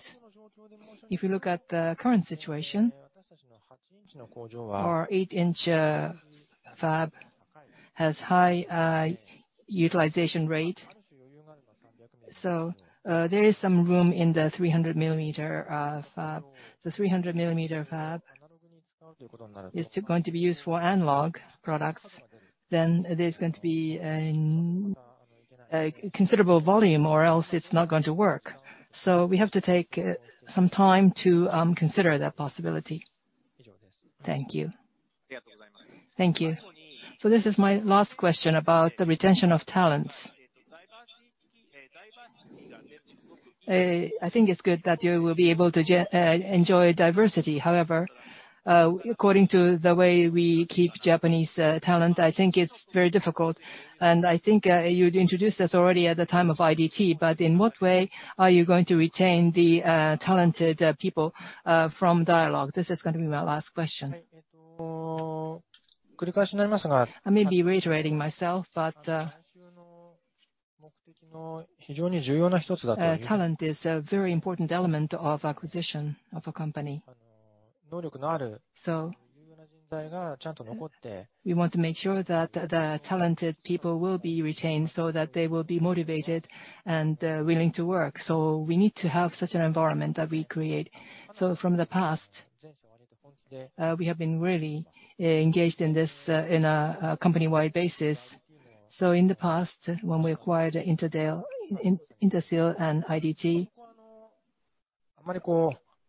if you look at the current situation, our eight-inch fab has high utilization rate. There is some room in the 300 mm fab. The 300 mm fab is going to be used for analog products. There's going to be a considerable volume, or else it's not going to work. We have to take some time to consider that possibility. Thank you. Thank you. This is my last question about the retention of talents. I think it's good that you will be able to enjoy diversity. According to the way we keep Japanese talent, I think it's very difficult, and I think you introduced us already at the time of IDT, but in what way are you going to retain the talented people from Dialog? This is going to be my last question. I may be reiterating myself, talent is a very important element of acquisition of a company. We want to make sure that the talented people will be retained so that they will be motivated and willing to work. We need to have such an environment that we create. From the past, we have been really engaged in this in a company-wide basis. In the past, when we acquired Intersil and IDT,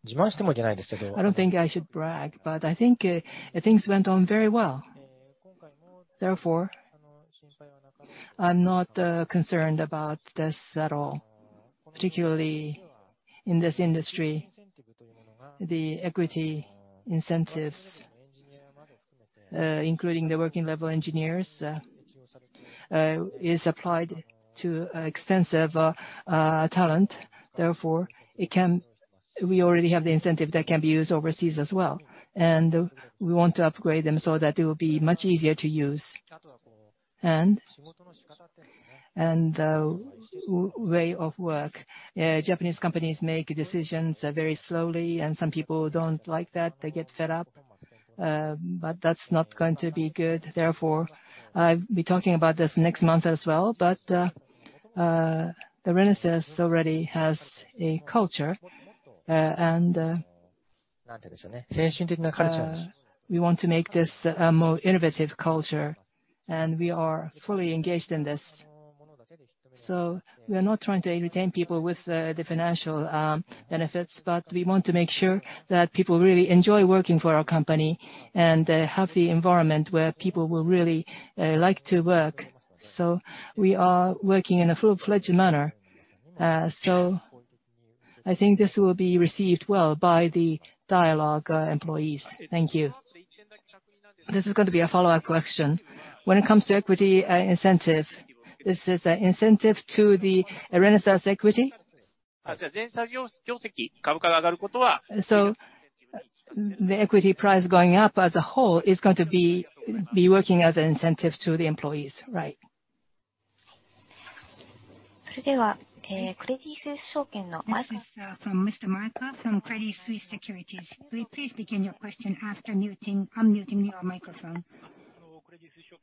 I don't think I should brag, but I think things went on very well. I'm not concerned about this at all. Particularly in this industry, the equity incentives, including the working level engineers, is applied to extensive talent. We already have the incentive that can be used overseas as well, and we want to upgrade them so that it will be much easier to use. The way of work. Japanese companies make decisions very slowly, and some people don't like that. They get fed up. That's not going to be good. I'll be talking about this next month as well, but Renesas already has a culture, and we want to make this a more innovative culture, and we are fully engaged in this. We are not trying to retain people with the financial benefits, but we want to make sure that people really enjoy working for our company and have the environment where people will really like to work. We are working in a full-fledged manner. I think this will be received well by the Dialog employees. Thank you. This is going to be a follow-up question. When it comes to equity incentive, this is an incentive to the Renesas equity? The equity price going up as a whole is going to be working as an incentive to the employees, right? This is from Mr. Maiko from Credit Suisse Securities. Please begin your question after unmuting your microphone.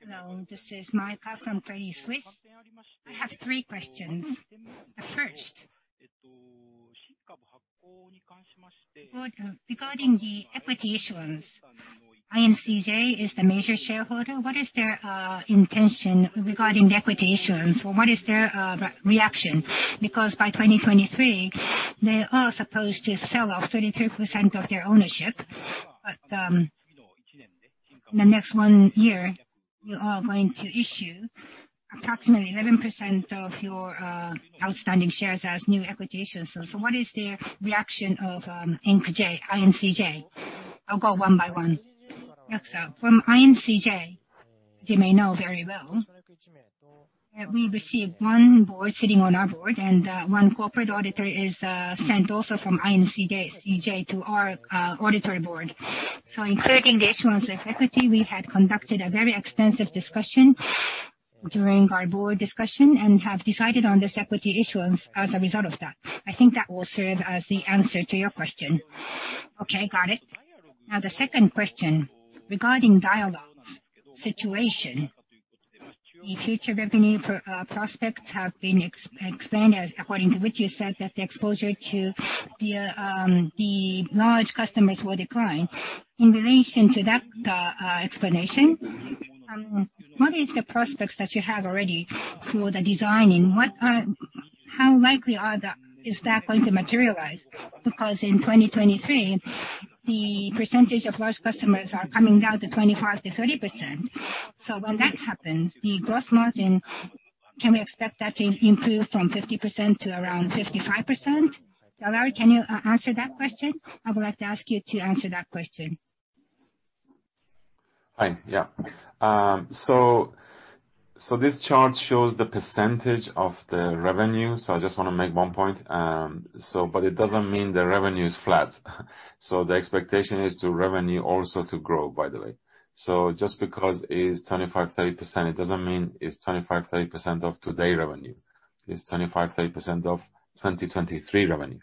Hello, this is Maiko from Credit Suisse. I have three questions. First, regarding the equity issuance, INCJ is the major shareholder. What is their intention regarding the equity issuance, or what is their reaction? By 2023, they are supposed to sell off 33% of their ownership. In the next one year, you are going to issue approximately 11% of your outstanding shares as new equity issues. What is the reaction of INCJ? I'll go one by one. From INCJ, as you may know very well, we received one board sitting on our board, and one corporate auditor is sent also from INCJ to our auditor board. Including the issuance of equity, we had conducted a very extensive discussion during our board discussion and have decided on this equity issuance as a result of that. I think that will serve as the answer to your question. Okay, got it. The second question, regarding Dialog's situation, the future revenue prospects have been explained, according to which you said that the exposure to the large customers will decline. In relation to that explanation, what is the prospects that you have already for the designing? How likely is that going to materialize? In 2023, the percentage of large customers are coming down to 25%-30%. When that happens, the gross margin, can we expect that to improve from 50%-55%? Jalal, can you answer that question? I would like to ask you to answer that question. Fine. Yeah. This chart shows the percentage of the revenue. I just want to make one point. It doesn't mean the revenue is flat. The expectation is to revenue also to grow, by the way. Just because it is 25%, 30%, it doesn't mean it's 25%, 30% of today revenue. It's 25%, 30% of 2023 revenue,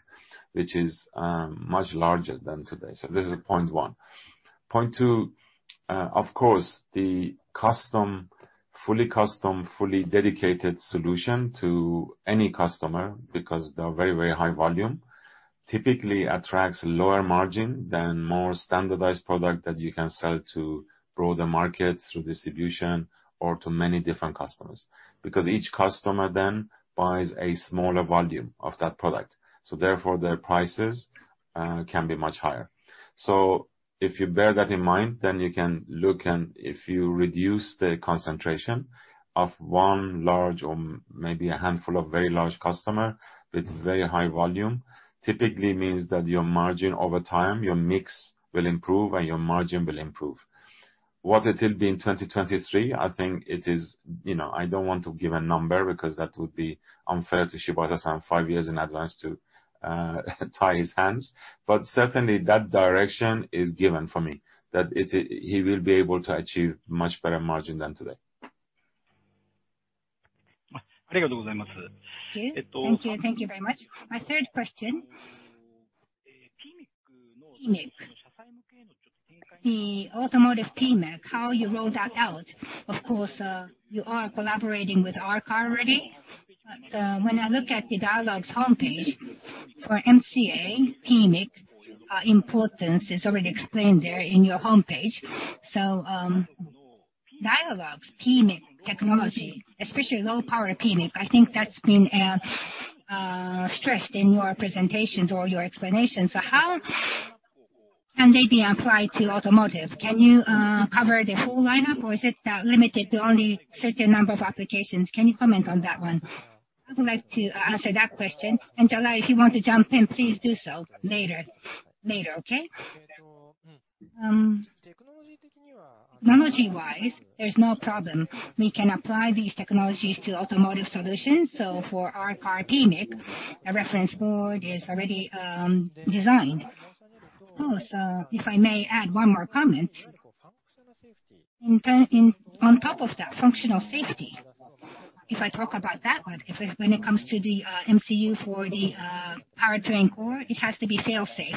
which is much larger than today. This is point one. Point two, of course, the fully custom, fully dedicated solution to any customer, because they're very high volume, typically attracts lower margin than more standardized product that you can sell to broader markets through distribution or to many different customers. Each customer then buys a smaller volume of that product, so therefore, their prices can be much higher. If you bear that in mind, then you can look and if you reduce the concentration of one large or maybe a handful of very large customer with very high volume, typically means that your margin over time, your mix will improve and your margin will improve. What it will be in 2023, I don't want to give a number because that would be unfair to Shibata-san, five years in advance to tie his hands. Certainly, that direction is given for me, that he will be able to achieve much better margin than today. Thank you. Thank you very much. My third question, PMIC, the automotive PMIC, how you roll that out. Of course, you are collaborating with R-Car already. When I look at the Dialog's homepage for MCA PMIC, importance is already explained there in your homepage. Dialog's PMIC technology, especially low power PMIC, I think that's been stressed in your presentations or your explanations. How can they be applied to automotive? Can you cover the whole lineup, or is it limited to only certain number of applications? Can you comment on that one? I would like to answer that question. Jalal, if you want to jump in, please do so later. Okay? Technology-wise, there's no problem. We can apply these technologies to automotive solutions. For R-Car PMIC, a reference board is already designed. Also, if I may add one more comment. On top of that, functional safety, if I talk about that one, when it comes to the MCU for the powertrain core, it has to be fail-safe.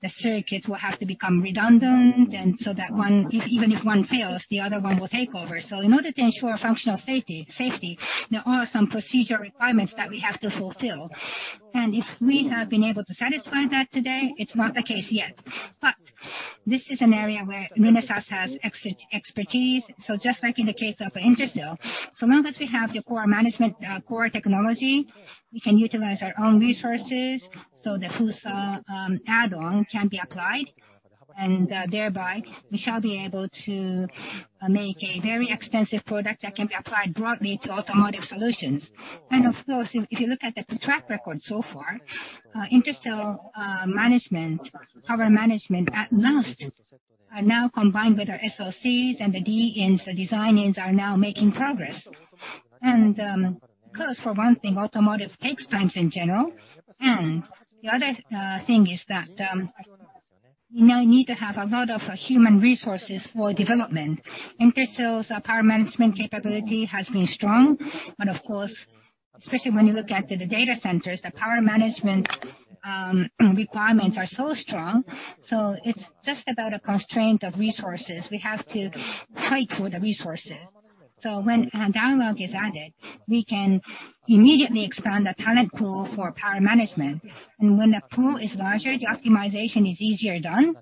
The circuits will have to become redundant and so that even if one fails, the other one will take over. In order to ensure functional safety, there are some procedure requirements that we have to fulfill. If we have been able to satisfy that today, it's not the case yet. This is an area where Renesas has expertise. Just like in the case of Intersil, so long as we have the core management core technology, we can utilize our own resources so that who saw add-on can be applied, and thereby we shall be able to make a very extensive product that can be applied broadly to automotive solutions. Of course, if you look at the track record so far, Intersil power management, at last, are now combined with our SOCs and the DIs, the Design-ins, are now making progress. Of course, for one thing, automotive takes times in general. The other thing is that we now need to have a lot of human resources for development. Intersil's power management capability has been strong, of course, especially when you look at the data centers, the power management requirements are so strong, it's just about a constraint of resources. We have to fight for the resources. When Dialog is added, we can immediately expand the talent pool for power management. When the pool is larger, the optimization is easier done.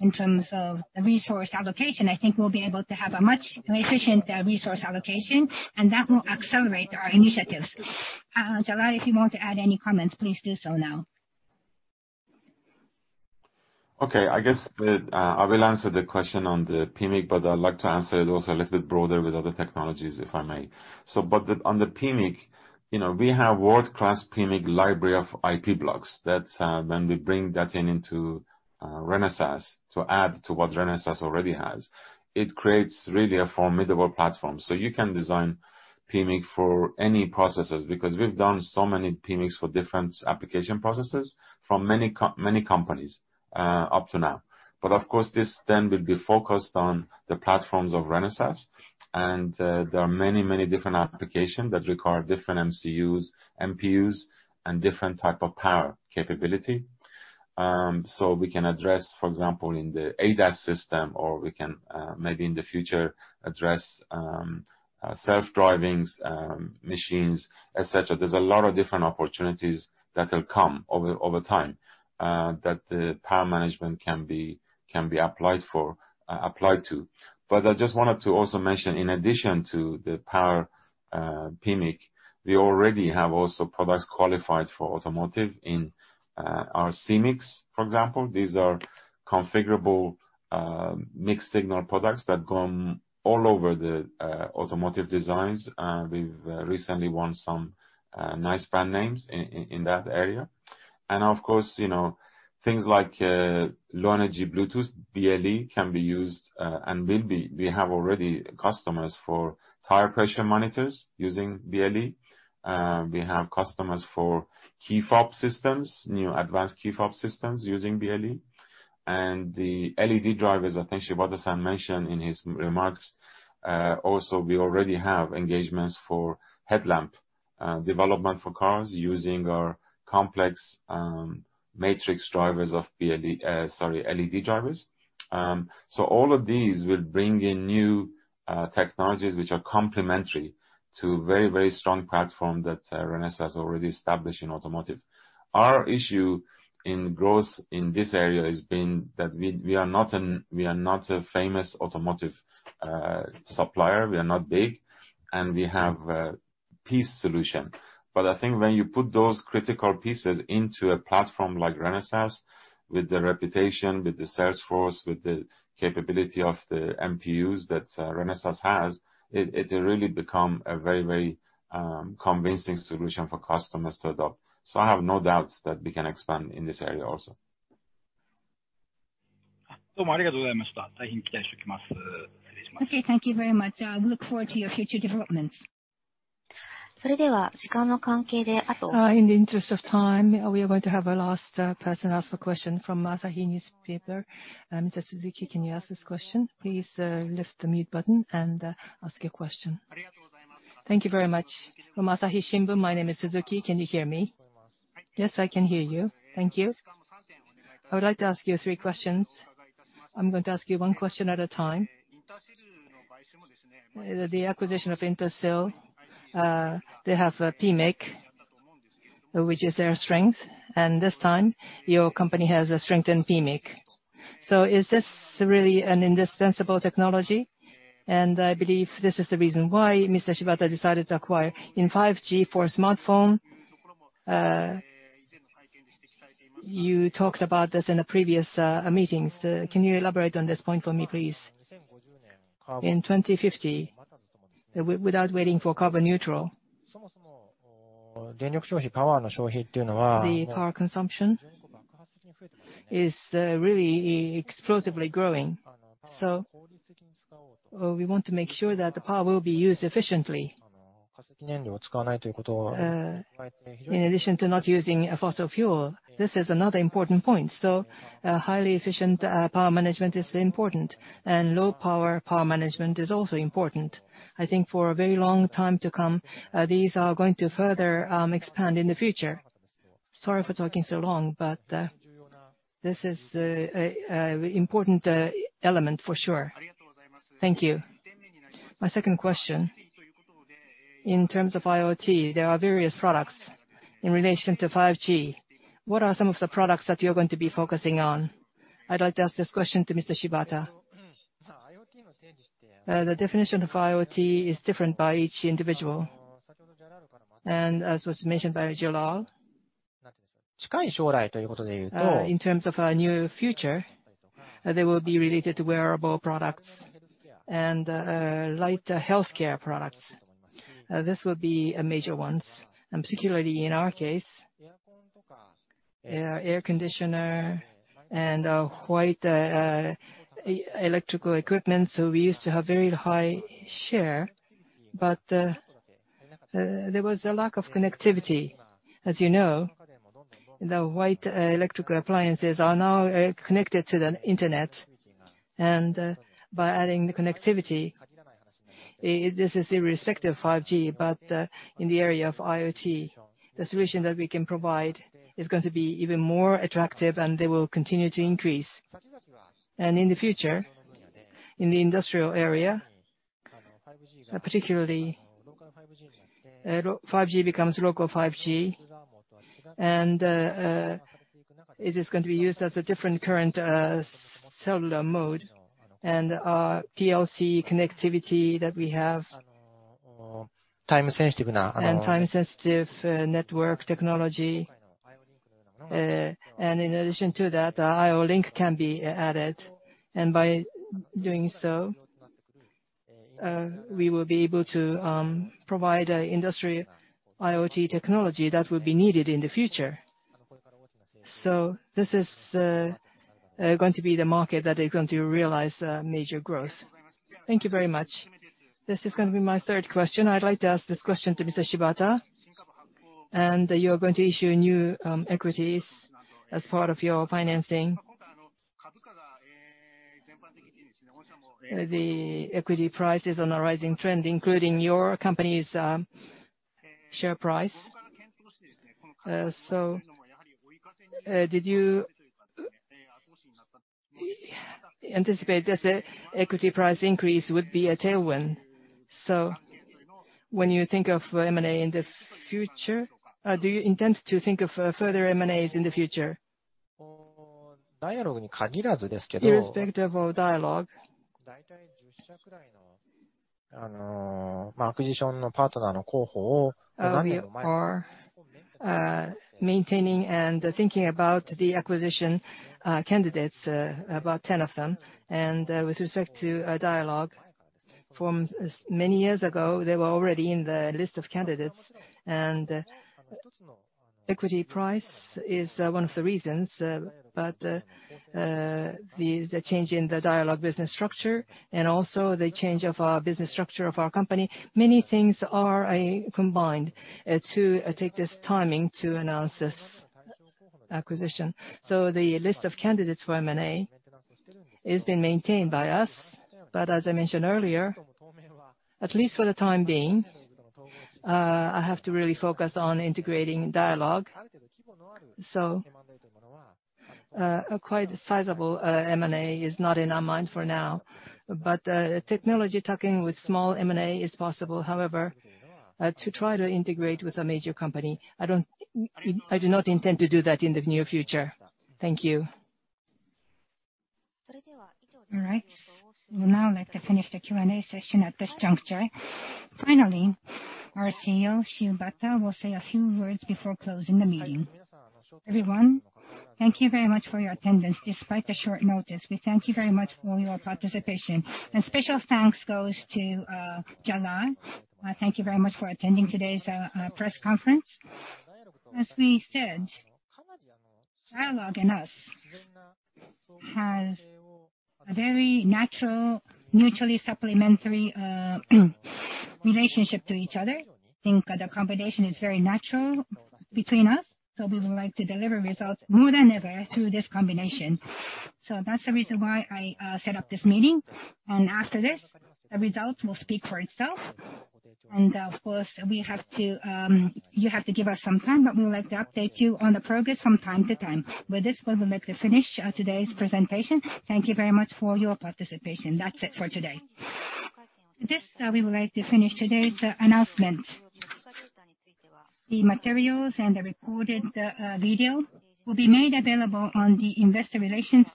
In terms of the resource allocation, I think we'll be able to have a much more efficient resource allocation, and that will accelerate our initiatives. Jalal, if you want to add any comments, please do so now. Okay, I guess that I will answer the question on the PMIC, but I'd like to answer it also a little bit broader with other technologies, if I may. On the PMIC, we have world-class PMIC library of IP blocks. That's when we bring that into Renesas to add to what Renesas already has. It creates really a formidable platform. You can design PMIC for any processes, because we've done so many PMICs for different application processes from many companies up to now. Of course, this then will be focused on the platforms of Renesas, and there are many, many different applications that require different MCUs, MPUs, and different type of power capability. We can address, for example, in the ADAS system, or we can, maybe in the future, address self-driving machines, et cetera. There's a lot of different opportunities that will come over time that the power management can be applied to. I just wanted to also mention, in addition to the power PMIC, we already have also products qualified for automotive in our CMICs, for example. These are configurable mixed signal products that come all over the automotive designs. We've recently won some nice brand names in that area. Of course, things like low energy Bluetooth, BLE, can be used, and we have already customers for tire pressure monitors using BLE. We have customers for key fob systems, new advanced key fob systems using BLE. The LED drivers, I think Shibata-san mentioned in his remarks. Also, we already have engagements for headlamp development for cars using our complex matrix drivers of LED drivers. All of these will bring in new technologies which are complementary to very, very strong platform that Renesas already established in automotive. Our issue in growth in this area has been that we are not a famous automotive supplier. We are not big, and we have a piece solution. I think when you put those critical pieces into a platform like Renesas, with the reputation, with the sales force, with the capability of the MPUs that Renesas has, it really become a very, very convincing solution for customers to adopt. I have no doubts that we can expand in this area also. Thank you very much. We look forward to your future developments. In the interest of time, we are going to have our last person ask a question from Asahi Shimbun. Mr. Suzuki, can you ask this question? Please lift the mute button and ask your question. Thank you very much. From Asahi Shimbun. My name is Takashi. Can you hear me? Yes, I can hear you. Thank you. I would like to ask you three questions. I'm going to ask you one question at a time. The acquisition of Intersil, they have a PMIC, which is their strength, and this time, your company has a strength in PMIC. Is this really an indispensable technology? I believe this is the reason why Mr. Shibata decided to acquire. In 5G for smartphone, you talked about this in a previous meetings. Can you elaborate on this point for me, please? In 2050, without waiting for carbon neutral, the power consumption is really explosively growing, so we want to make sure that the power will be used efficiently. In addition to not using fossil fuel, this is another important point. Highly efficient power management is important, and low power power management is also important. I think for a very long time to come, these are going to further expand in the future. Sorry for talking so long, but this is an important element for sure. Thank you. My second question, in terms of IoT, there are various products in relation to 5G. What are some of the products that you're going to be focusing on? I'd like to ask this question to Mr. Shibata. The definition of IoT is different by each individual. As was mentioned by Jalal, in terms of our new future, they will be related to wearable products and light healthcare products. This will be major ones. Particularly in our case, air conditioner and white electrical equipment, so we used to have very high share, but there was a lack of connectivity. As you know, the white electrical appliances are now connected to the internet, and by adding the connectivity This is irrespective of 5G, but in the area of IoT, the solution that we can provide is going to be even more attractive, and they will continue to increase. In the future, in the industrial area, particularly 5G becomes local 5G, and it is going to be used as a different current cellular mode and our PLC connectivity that we have. Time-sensitive- Time-Sensitive Networking technology. In addition to that, IO-Link can be added. By doing so, we will be able to provide industry IoT technology that will be needed in the future. This is going to be the market that is going to realize major growth. Thank you very much. This is going to be my third question. I'd like to ask this question to Mr. Shibata. You're going to issue new equities as part of your financing. The equity price is on a rising trend, including your company's share price. Did you anticipate that the equity price increase would be a tailwind? When you think of M&A in the future, do you intend to think of further M&As in the future? Irrespective of Dialog, we are maintaining and thinking about the acquisition candidates, about 10 of them. With respect to Dialog, from many years ago, they were already in the list of candidates. Equity price is one of the reasons. The change in the Dialog business structure and also the change of our business structure of our company, many things are combined to take this timing to announce this acquisition. The list of candidates for M&A is being maintained by us. As I mentioned earlier, at least for the time being, I have to really focus on integrating Dialog. Quite a sizable M&A is not in our mind for now. Technology tuck-in with small M&A is possible, however, to try to integrate with a major company, I do not intend to do that in the near future. Thank you. All right. We would now like to finish the Q&A session at this juncture. Finally, our CEO, Shibata, will say a few words before closing the meeting. Everyone, thank you very much for your attendance, despite the short notice. We thank you very much for your participation. A special thanks goes to Jalal. Thank you very much for attending today's press conference. As we said, Dialog and us have a very natural, mutually supplementary relationship to each other. I think the combination is very natural between us, so we would like to deliver results more than ever through this combination. That's the reason why I set up this meeting. After this, the results will speak for itself. Of course, you have to give us some time, but we would like to update you on the progress from time to time. With this, we would like to finish today's presentation. Thank you very much for your participation. That's it for today. With this, we would like to finish today's announcement. The materials and the recorded video will be made available on the investor relations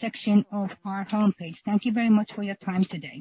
section of our homepage. Thank you very much for your time today.